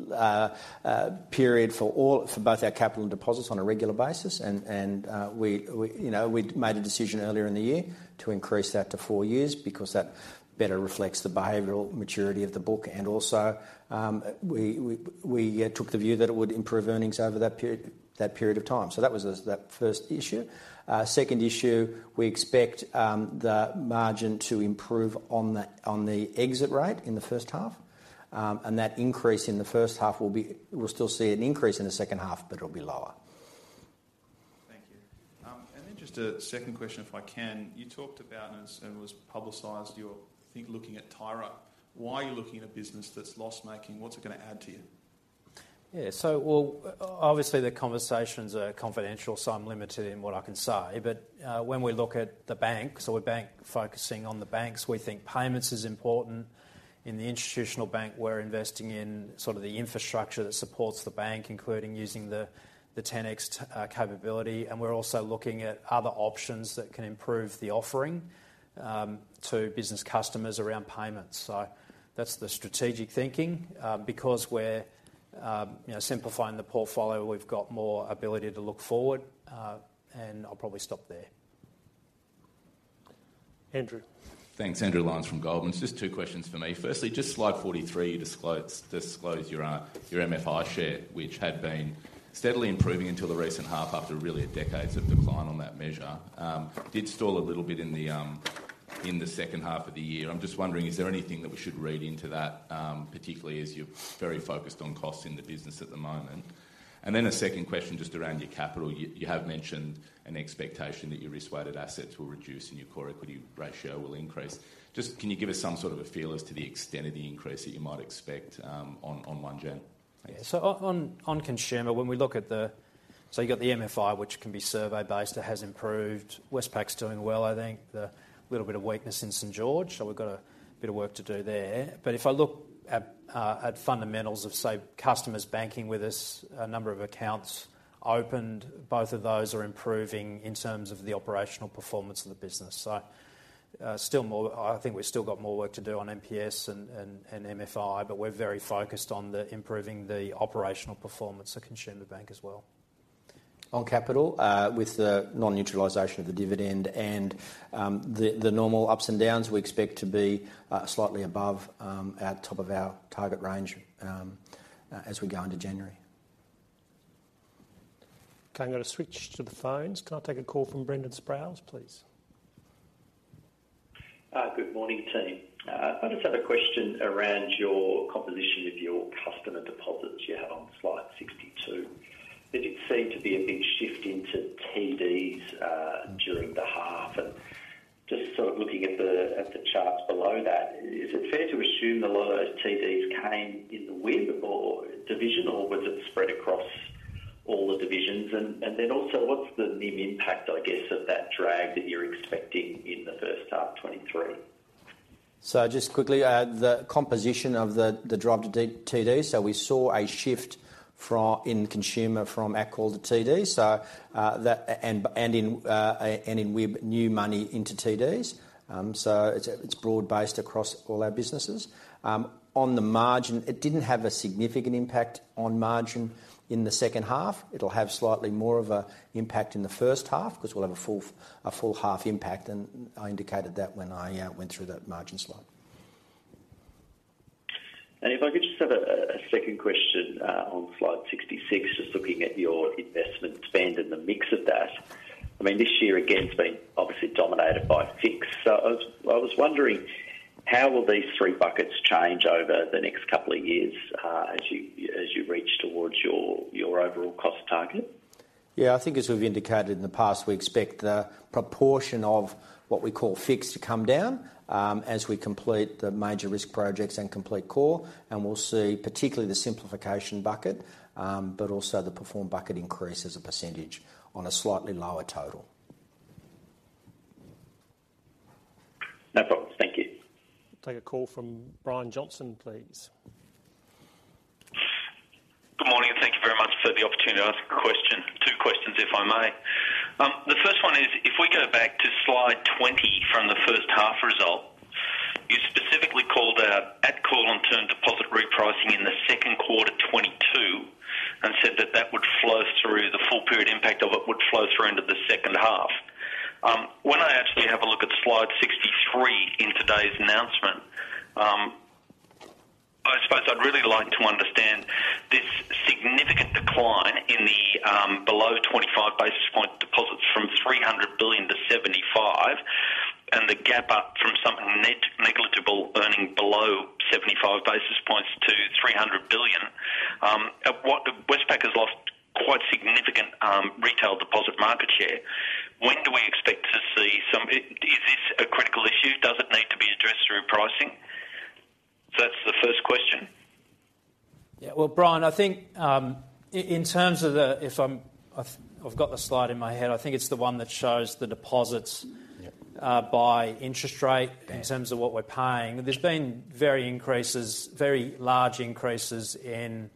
period for both our capital and deposits on a regular basis and we, you know, we'd made a decision earlier in the year to increase that to four years because that better reflects the behavioral maturity of the book. We took the view that it would improve earnings over that period of time. That was that first issue. Second issue, we expect the margin to improve on the exit rate in the first half. That increase in the first half will be. We'll still see an increase in the second half, but it'll be lower. Thank you. Just a second question, if I can. You talked about it, and it was publicized. You're, I think, looking at Tyro. Why are you looking at a business that's loss-making? What's it gonna add to you? Obviously the conversations are confidential, so I'm limited in what I can say. When we look at the bank, we're focusing on the banks, we think payments is important. In the Institutional Bank, we're investing in sort of the infrastructure that supports the bank, including using the 10x capability. We're also looking at other options that can improve the offering to business customers around payments. That's the strategic thinking. Because we're you know, simplifying the portfolio, we've got more ability to look forward, and I'll probably stop there. Andrew. Thanks. Andrew Lyons from Goldman Sachs. Just two questions for me. Firstly, just slide 43, you disclosed your MFI share, which had been steadily improving until the recent half, after really decades of decline on that measure, did stall a little bit in the second half of the year. I'm just wondering, is there anything that we should read into that, particularly as you're very focused on costs in the business at the moment? Then a second question, just around your capital. You have mentioned an expectation that your risk-weighted assets will reduce and your core equity ratio will increase. Just can you give us some sort of a feel as to the extent of the increase that you might expect, ongoing? Thanks. On Consumer, when we look at the MFI, which can be survey-based, it has improved. Westpac's doing well, I think. The little bit of weakness in St. George, so we've got a bit of work to do there. If I look at fundamentals of, say, customers banking with us, number of accounts opened, both of those are improving in terms of the operational performance of the business. We've still got more work to do on NPS and MFI, but we're very focused on improving the operational performance of Consumer bank as well. On capital, with the non-neutralization of the dividend and the normal ups and downs, we expect to be slightly above our top of our target range as we go into January. Okay. I'm gonna switch to the phones. Can I take a call from Brendan Sproules, please? Good morning, team. I just have a question around your composition of your customer deposits you have on slide 62. There did seem to be a big shift into TDs during the half. Just sort of looking at the charts below that, is it fair to assume a lot of those TDs came in the WIB division, or was it spread across all the divisions? Then also what's the NIM impact, I guess, of that drag that you're expecting in the first half 2023? Just quickly, the composition of the drop to TDs. We saw a shift from in Consumer from ACCORD to TD. And in WIB, new money into TDs. It's broad-based across all our businesses. On the margin, it didn't have a significant impact on margin in the second half. It'll have slightly more of a impact in the first half 'cause we'll have a full half impact, and I indicated that when I went through that margin slide. If I could just have a second question on slide 66, just looking at your investment spend and the mix of that. I mean, this year again, it's been obviously dominated by fixed. I was wondering, how will these three buckets change over the next couple of years, as you reach towards your overall cost target? Yeah. I think as we've indicated in the past, we expect the proportion of what we call fixed to come down, as we complete the major risk projects and complete core. We'll see particularly the Simplification bucket, but also the perform bucket increase as a percentage on a slightly lower total. No problem. Thank you. Take a call from Brian Johnson, please. Good morning, and thank you very much for the opportunity to ask a question. Two questions, if I may. The first one is, if we go back to slide 20 from the first half result, you specifically called out at-call on term deposit repricing in the second quarter 2022 and said that that would flow through the full period impact of it, would flow through into the second half. When I actually have a look at slide 63 in today's announcement, I suppose I'd really like to understand this significant decline in the below 25 basis point deposits from 300 billion to 75 billion, and the gap up from somewhat negligible earning below 75 basis points to 300 billion. And what Westpac has lost quite significant retail deposit market share. When do we expect to see some. Is this a critical issue? Does it need to be addressed through pricing? That's the first question. Well, Brian, I think I've got the slide in my head. I think it's the one that shows the deposits. Yeah. by interest rate. Yeah. In terms of what we're paying. There have been very large increases in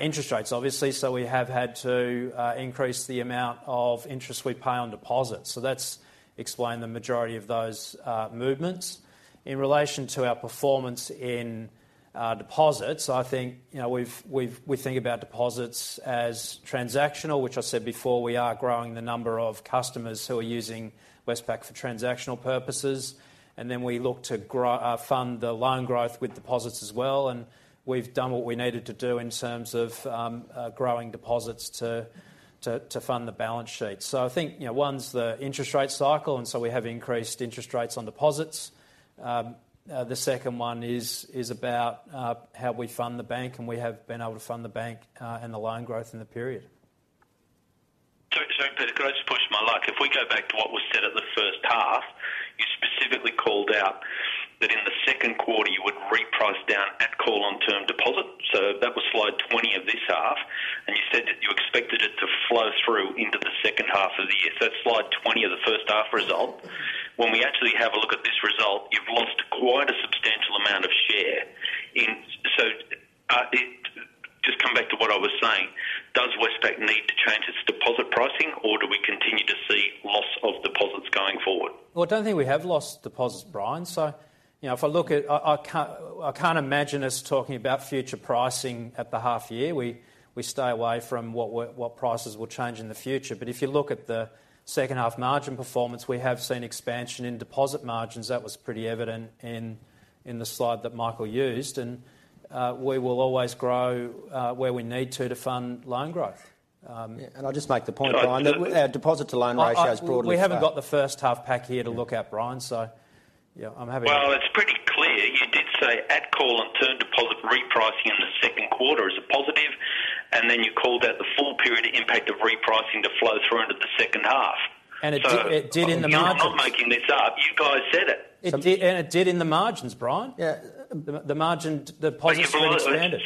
interest rates, obviously, so we have had to increase the amount of interest we pay on deposits. That's explained the majority of those movements. In relation to our performance in deposits, I think, you know, we think about deposits as transactional, which I said before. We are growing the number of customers who are using Westpac for transactional purposes. Then we look to fund the loan growth with deposits as well, and we've done what we needed to do in terms of growing deposits to fund the balance sheet. I think, you know, one is the interest rate cycle, and we have increased interest rates on deposits. The second one is about how we fund the bank, and we have been able to fund the bank and the loan growth in the period. Sorry, Peter, can I just push my luck? If we go back to what was said at the first half, you specifically called out that in the second quarter, you would reprice down at-call on term deposit. That was slide 20 of this half, and you said that you expected it to flow through into the second half of the year. That's slide 20 of the first half result. When we actually have a look at this result, you've lost quite a substantial amount of share. Just come back to what I was saying. Does Westpac need to change its deposit pricing, or do we continue to see loss of deposits going forward? Well, I don't think we have lost deposits, Brian. You know, if I look at, I can't imagine us talking about future pricing at the half year. We stay away from what prices will change in the future. If you look at the second half margin performance, we have seen expansion in deposit margins. That was pretty evident in the slide that Michael used. We will always grow where we need to fund loan growth. I'll just make the point, Brian, that our deposit to loan ratio has broadly stayed. We haven't got the first half pack here to look at, Brian, so yeah, I'm happy. Well, it's pretty clear you did say at call and term deposit repricing in the second quarter is a positive, and then you called out the full period impact of repricing to flow through into the second half. It did in the margins. I'm not making this up. You guys said it. It did, and it did in the margins, Brian. Yeah. The margin, the positive. Thank you very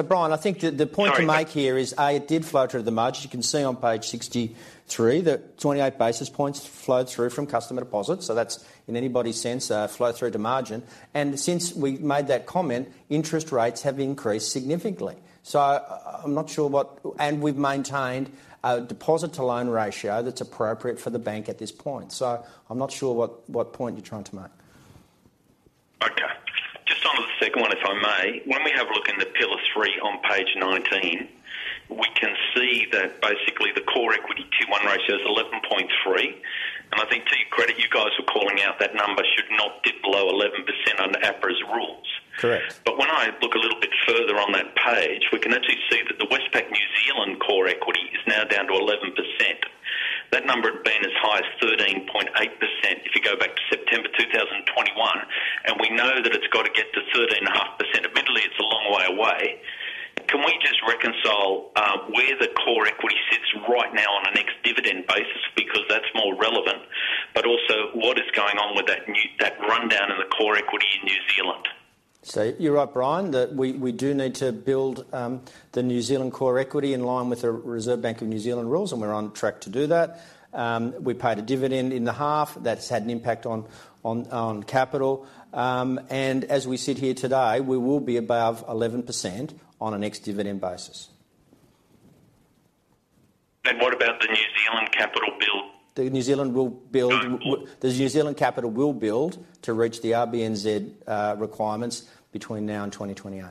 much. -margins. Brian, I think the point to make here is, A, it did flow through the margins. You can see on page 63 that 28 basis points flowed through from customer deposits. That's in anybody's sense, flow through to margin. Since we made that comment, interest rates have increased significantly. I'm not sure what. We've maintained a deposit to loan ratio that's appropriate for the bank at this point. I'm not sure what point you're trying to make. Okay. Just on to the second one, if I may. When we have a look in the Pillar 3 on page 19, we can see that basically the Common Equity Tier 1 ratio is 11.3%. I think to your credit, you guys were calling out that number should not dip below 11% under APRA's rules. Correct. When I look a little bit further on that page, we can actually see that the Westpac New Zealand core equity is now down to 11%. That number had been as high as 13.8% if you go back to September 2021. We know that it's got to get to 13.5%. Admittedly, it's a long way away. Can we just reconcile where the core equity sits right now on a next dividend basis? Because that's more relevant. What is going on with that rundown in the core equity in New Zealand? You're right, Brian, that we do need to build the New Zealand core equity in line with the Reserve Bank of New Zealand rules, and we're on track to do that. We paid a dividend in the half. That's had an impact on capital. As we sit here today, we will be above 11% on a next dividend basis. What about the New Zealand capital build? The New Zealand will build. Sorry. The New Zealand capital will build to reach the RBNZ requirements between now and 2028.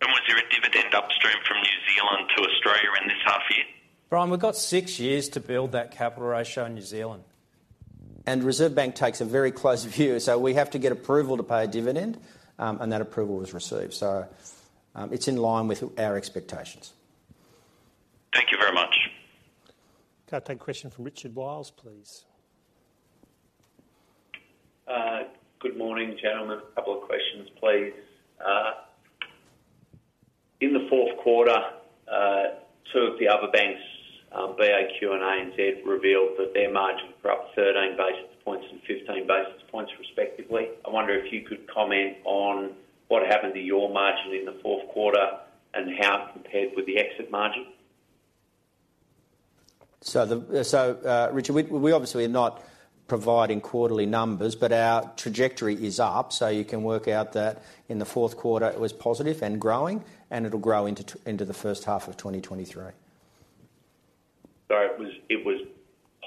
Was there a dividend upstream from New Zealand to Australia in this half year? Brian, we've got 6 years to build that capital ratio in New Zealand. Reserve Bank takes a very close view, so we have to get approval to pay a dividend, and that approval was received. It's in line with our expectations. Thank you very much. Can I take a question from Richard Wiles, please? Good morning, gentlemen. A couple of questions, please. In the fourth quarter, two of the other banks, NAB and ANZ, revealed that their margins were up 13 basis points and 15 basis points respectively. I wonder if you could comment on what happened to your margin in the fourth quarter and how it compared with the exit margin? Richard, we obviously are not providing quarterly numbers, but our trajectory is up, so you can work out that in the fourth quarter it was positive and growing, and it'll grow into the first half of 2023. Sorry, it was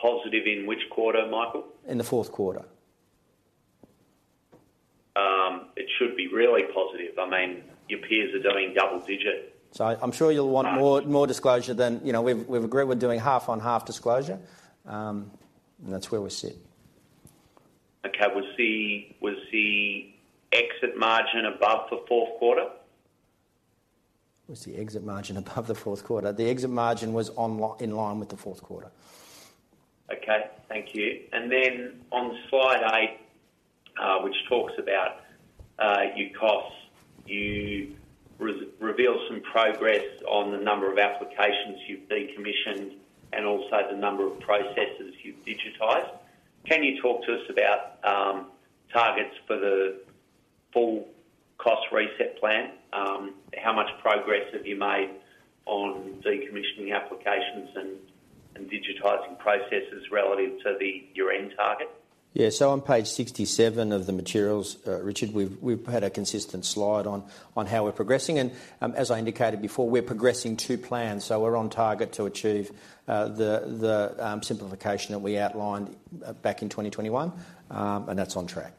positive in which quarter, Michael? In the fourth quarter. It should be really positive. I mean, your peers are doing double-digit. I'm sure you'll want more disclosure than you know. We've agreed we're doing half on half disclosure, and that's where we sit. Okay. Was the exit margin above the fourth quarter? Was the exit margin above the fourth quarter? The exit margin was in line with the fourth quarter. Okay. Thank you. On slide 8, which talks about your costs, you reveal some progress on the number of applications you've decommissioned and also the number of processes you've digitized. Can you talk to us about targets for the full cost reset plan? How much progress have you made on decommissioning applications and digitizing processes relative to your end target? Yeah, on page 67 of the materials, Richard, we've had a consistent slide on how we're progressing. As I indicated before, we're progressing to plan, so we're on target to achieve the Simplification that we outlined back in 2021. That's on track.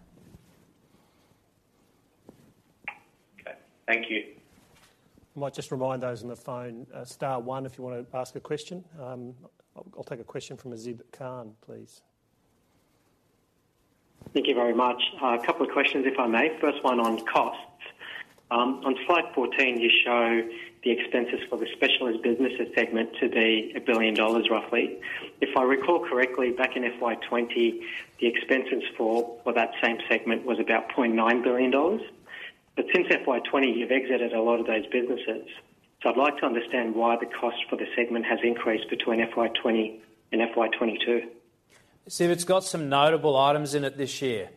Okay. Thank you. I might just remind those on the phone, star one if you wanna ask a question. I'll take a question from Azib Khan, please. Thank you very much. A couple of questions if I may. First one on costs. On slide 14, you show the expenses for the Specialist Businesses segment to be 1 billion dollars, roughly. If I recall correctly, back in FY 2020, the expenses for that same segment was about AUD 0.9 billion. Since FY 2020, you've exited a lot of those businesses. I'd like to understand why the cost for the segment has increased between FY 2020 and FY22. Zib, it's got some Notable Items in it this year.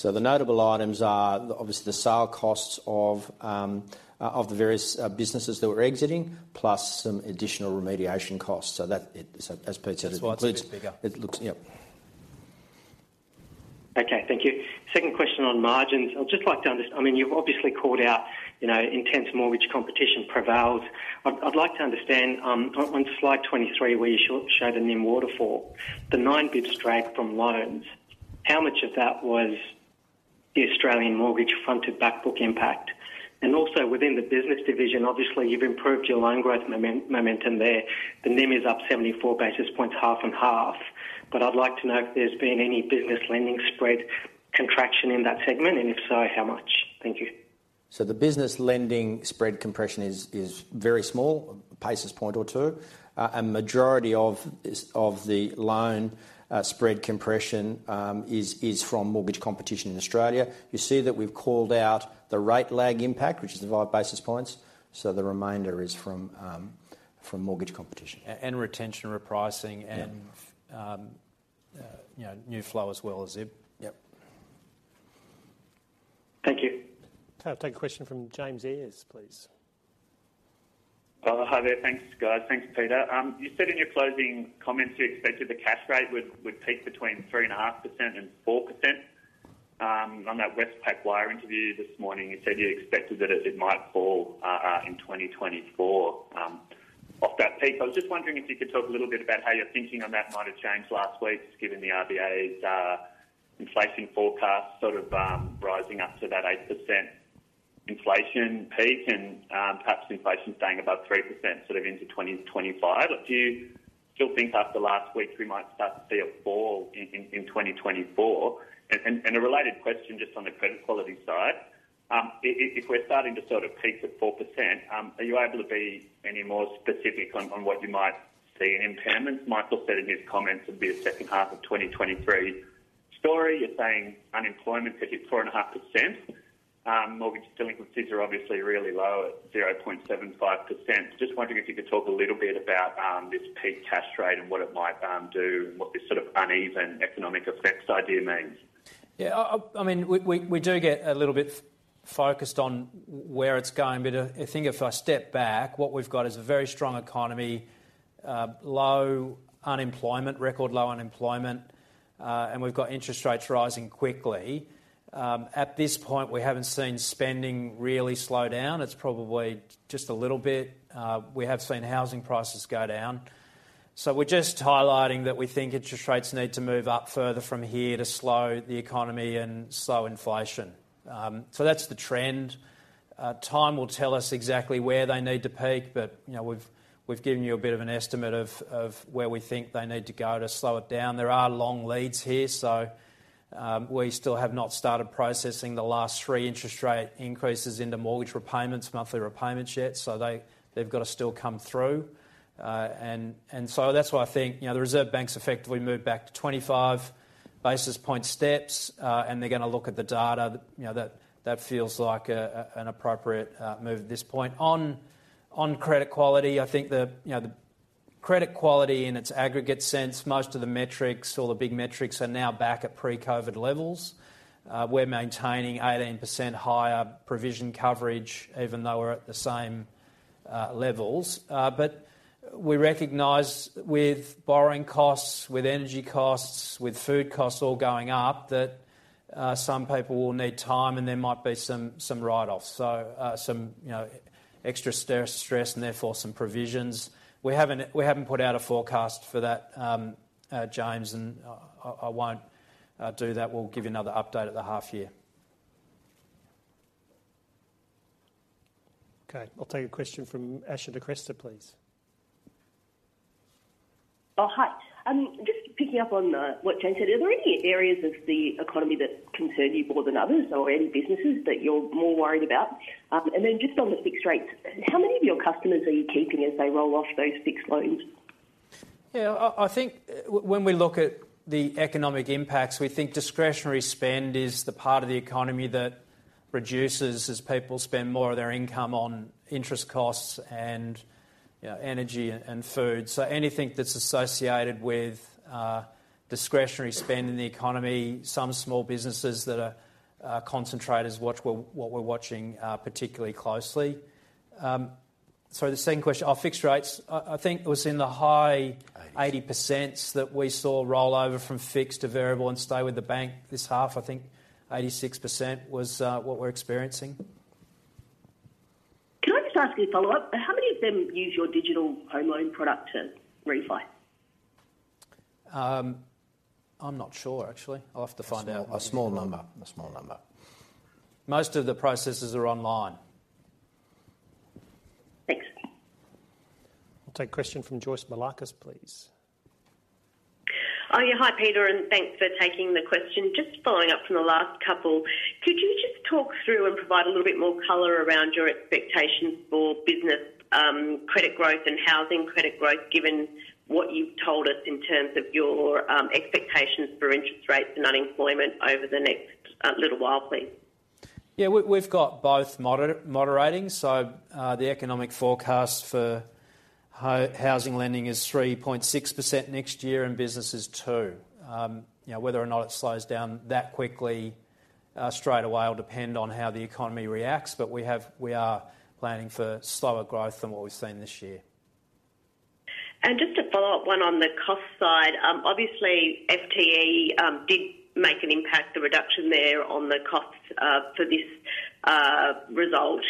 The Notable Items are obviously the sale costs of the various businesses that we're exiting, plus some additional remediation costs. As Pete said, it includes- That's why it's a bit bigger. Yep. Okay. Thank you. Second question on margins. I'd just like to understand. I mean, you've obviously called out, you know, intense mortgage competition prevails. I'd like to understand on slide 23, where you showed a NIM waterfall. The nine basis points drag from loans, how much of that was the Australian mortgage front and back book impact? And also within the business division, obviously you've improved your loan growth momentum there. The NIM is up 74 basis points, half and half. But I'd like to know if there's been any business lending spread contraction in that segment, and if so, how much? Thank you. The business lending spread compression is very small, 1 basis point or 2. A majority of the loan spread compression is from mortgage competition in Australia. You see that we've called out the rate lag impact, which is the 5 basis points. The remainder is from mortgage competition. Retention repricing. Yeah. You know, new flow as well as Zib. Yep. Thank you. Okay. I'll take a question from James Ayers, please. Hi there. Thanks, guys. Thanks, Peter. You said in your closing comments you expected the cash rate would peak between 3.5% and 4%. On that Westpac Wire interview this morning, you said you expected that it might fall in 2024 off that peak. I was just wondering if you could talk a little bit about how your thinking on that might have changed last week, given the RBA's inflation forecast sort of rising up to that 8% inflation peak and perhaps inflation staying above 3% sort of into 2025. Do you still think after last week we might start to see a fall in 2024? A related question just on the credit quality side. If we're starting to sort of peak at 4%, are you able to be any more specific on what you might see in impairments? Michael said in his comments it'd be a second half of 2023 story. You're saying unemployment's sitting at 4.5%. Mortgage delinquencies are obviously really low at 0.75%. Just wondering if you could talk a little bit about this peak cash rate and what it might do and what this sort of uneven economic effects idea means. Yeah. I mean, we do get a little bit focused on where it's going. I think if I step back, what we've got is a very strong economy, low unemployment, record low unemployment, and we've got interest rates rising quickly. At this point, we haven't seen spending really slow down. It's probably just a little bit. We have seen housing prices go down. We're just highlighting that we think interest rates need to move up further from here to slow the economy and slow inflation. That's the trend. Time will tell us exactly where they need to peak, but you know, we've given you a bit of an estimate of where we think they need to go to slow it down. There are long leads here, so, we still have not started processing the last three interest rate increases into mortgage repayments, monthly repayments yet. They've got to still come through. That's why I think, you know, the Reserve Bank's effectively moved back to 25 basis point steps, and they're gonna look at the data. You know, that feels like an appropriate move at this point. On credit quality, I think you know, the credit quality in its aggregate sense, most of the metrics or the big metrics are now back at pre-COVID levels. We're maintaining 18% higher provision coverage even though we're at the same levels. We recognize with borrowing costs, with energy costs, with food costs all going up, that some people will need time and there might be some write-offs. Some, you know, extra stress and therefore some provisions. We haven't put out a forecast for that, James, and I won't do that. We'll give you another update at the half year. Okay. I'll take a question from Ashish Sharma, please. Oh, hi. Just picking up on what James said. Are there any areas of the economy that concern you more than others or any businesses that you're more worried about? Just on the fixed rates, how many of your customers are you keeping as they roll off those fixed loans? I think when we look at the economic impacts, we think discretionary spend is the part of the economy that reduces as people spend more of their income on interest costs and, you know, energy and food. Anything that's associated with discretionary spend in the economy. Some small businesses that are concentrators watch what we're watching particularly closely. Sorry, the second question. Our fixed rates. I think it was in the high 80 percent that we saw roll over from fixed to variable and stay with the bank this half. I think 86% was what we're experiencing. Can I just ask a follow-up? How many of them use your Digital home loan product to refi? I'm not sure, actually. I'll have to find out. A small number. Most of the processes are online. Thanks. I'll take question from Joyce Moullakis, please. Oh, yeah. Hi, Peter, and thanks for taking the question. Just following up from the last couple. Could you just talk through and provide a little bit more color around your expectations for business credit growth and housing credit growth, given what you've told us in terms of your expectations for interest rates and unemployment over the next little while, please? We've got both moderating. The economic forecast for housing lending is 3.6% next year and business is 2%. You know, whether or not it slows down that quickly straight away will depend on how the economy reacts. We are planning for slower growth than what we've seen this year. Just to follow up, one on the cost side. Obviously, FTE did make an impact, the reduction there on the costs for this result.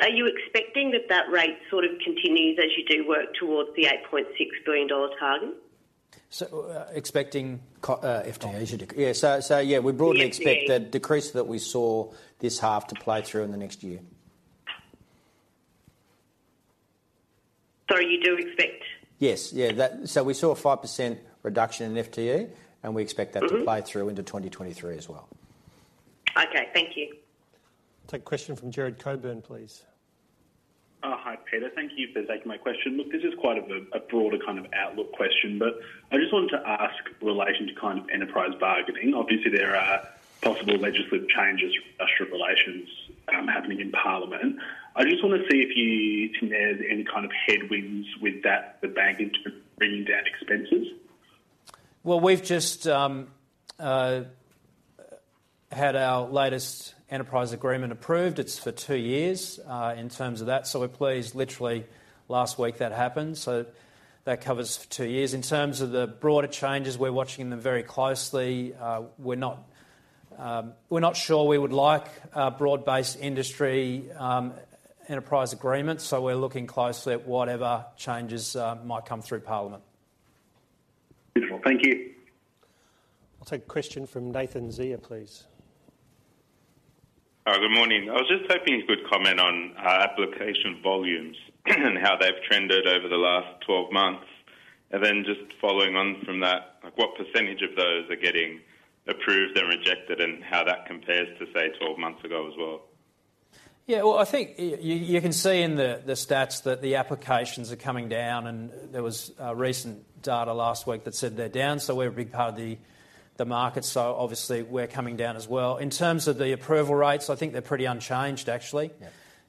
Are you expecting that rate sort of continues as you do work towards the 8.6 billion dollar target? Expecting FTE. Yeah, yeah, we broadly- FTE. Expect the decrease that we saw this half to play through in the next year. Sorry, what do you expect? We saw a 5% reduction in FTE, and we expect that. Mm-hmm. to play through into 2023 as well. Okay. Thank you. Take a question from Jared Coffin, please. Hi, Peter. Thank you for taking my question. Look, this is quite a broader kind of outlook question, but I just wanted to ask in relation to kind of enterprise bargaining. Obviously, there are possible legislative changes, industrial relations happening in Parliament. I just wanna see if you see there's any kind of headwinds with that, the bank bringing down expenses. Well, we've just had our latest Enterprise Agreement approved. It's for two years in terms of that. We're pleased. Literally last week, that happened. That covers two years. In terms of the broader changes, we're watching them very closely. We're not sure we would like a broad-based industry Enterprise Agreement. We're looking closely at whatever changes might come through Parliament. Beautiful. Thank you. I'll take a question from Nathan Lead, please. Good morning. I was just hoping you could comment on application volumes and how they've trended over the last 12 months. Just following on from that, like what percentage of those are getting approved and rejected and how that compares to, say, 12 months ago as well? Yeah. Well, I think you can see in the stats that the applications are coming down, and there was recent data last week that said they're down. We're a big part of the market, so obviously we're coming down as well. In terms of the approval rates, I think they're pretty unchanged, actually.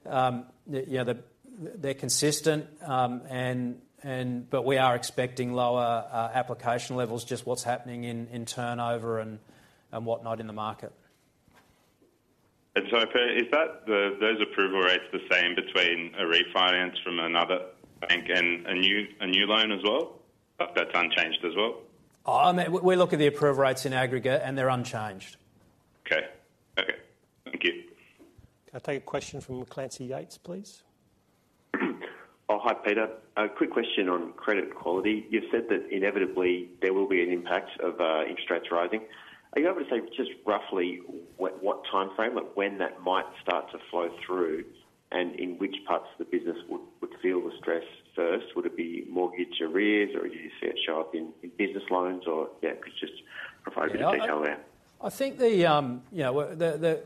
Yeah. Yeah, they're consistent. We are expecting lower application levels, just what's happening in turnover and whatnot in the market. If those approval rates the same between a refinance from another bank and a new loan as well? That's unchanged as well? I mean, we look at the approval rates in aggregate, and they're unchanged. Okay. Okay. Thank you. Can I take a question from Clancy Yeates, please? Oh, hi, Peter. A quick question on credit quality. You've said that inevitably there will be an impact of interest rates rising. Are you able to say just roughly what timeframe, like when that might start to flow through and in which parts of the business would feel the stress first? Would it be mortgage arrears, or do you see it show up in business loans? Or, yeah, if you could just provide a bit of detail there. I think, you know, the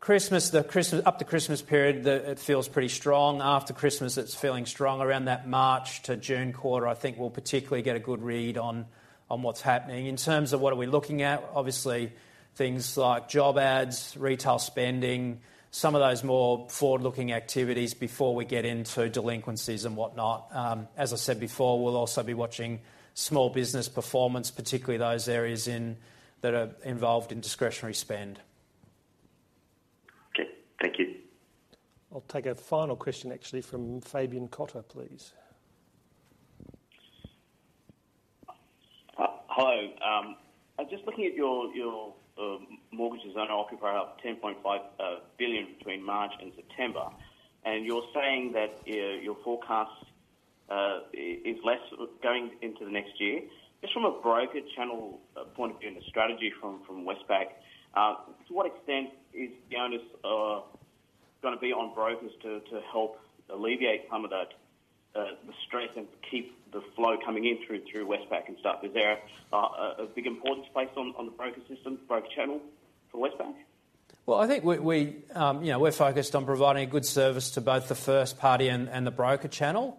Christmas up to Christmas period, it feels pretty strong. After Christmas, it's feeling strong. Around that March to June quarter, I think we'll particularly get a good read on what's happening. In terms of what are we looking at, obviously things like job ads, retail spending, some of those more forward-looking activities before we get into delinquencies and whatnot. As I said before, we'll also be watching small business performance, particularly those areas that are involved in discretionary spend. Okay. Thank you. I'll take a final question actually from Fabian Cotter, please. Hello. I'm just looking at your mortgages. I know uptake up 10.5 billion between March and September. You're saying that your forecast is less going into the next year. Just from a broker channel point of view and a strategy from Westpac, to what extent is the onus gonna be on brokers to help alleviate some of that, the stress and keep the flow coming in through Westpac and stuff? Is there a big importance placed on the broker system, broker channel for Westpac? Well, I think we, you know, we're focused on providing a good service to both the first party and the broker channel.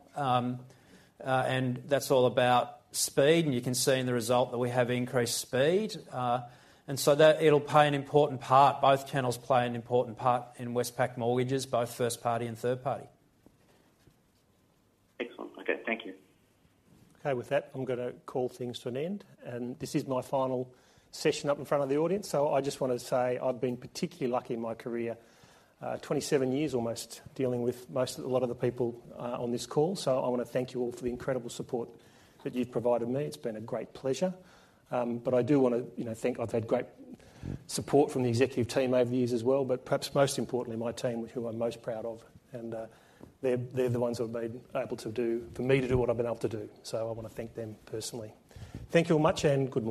That's all about speed, and you can see in the result that we have increased speed. That it'll play an important part. Both channels play an important part in Westpac mortgages, both first party and third party. Excellent. Okay. Thank you. Okay. With that, I'm gonna call things to an end. This is my final session up in front of the audience. I just wanna say I've been particularly lucky in my career, 27 years almost, dealing with a lot of the people on this call. I wanna thank you all for the incredible support that you've provided me. It's been a great pleasure. I do wanna, you know, thank I've had great support from the executive team over the years as well, but perhaps most importantly, my team, which who I'm most proud of. They're the ones who have made for me to do what I've been able to do. I wanna thank them personally. Thank you all very much, and good night.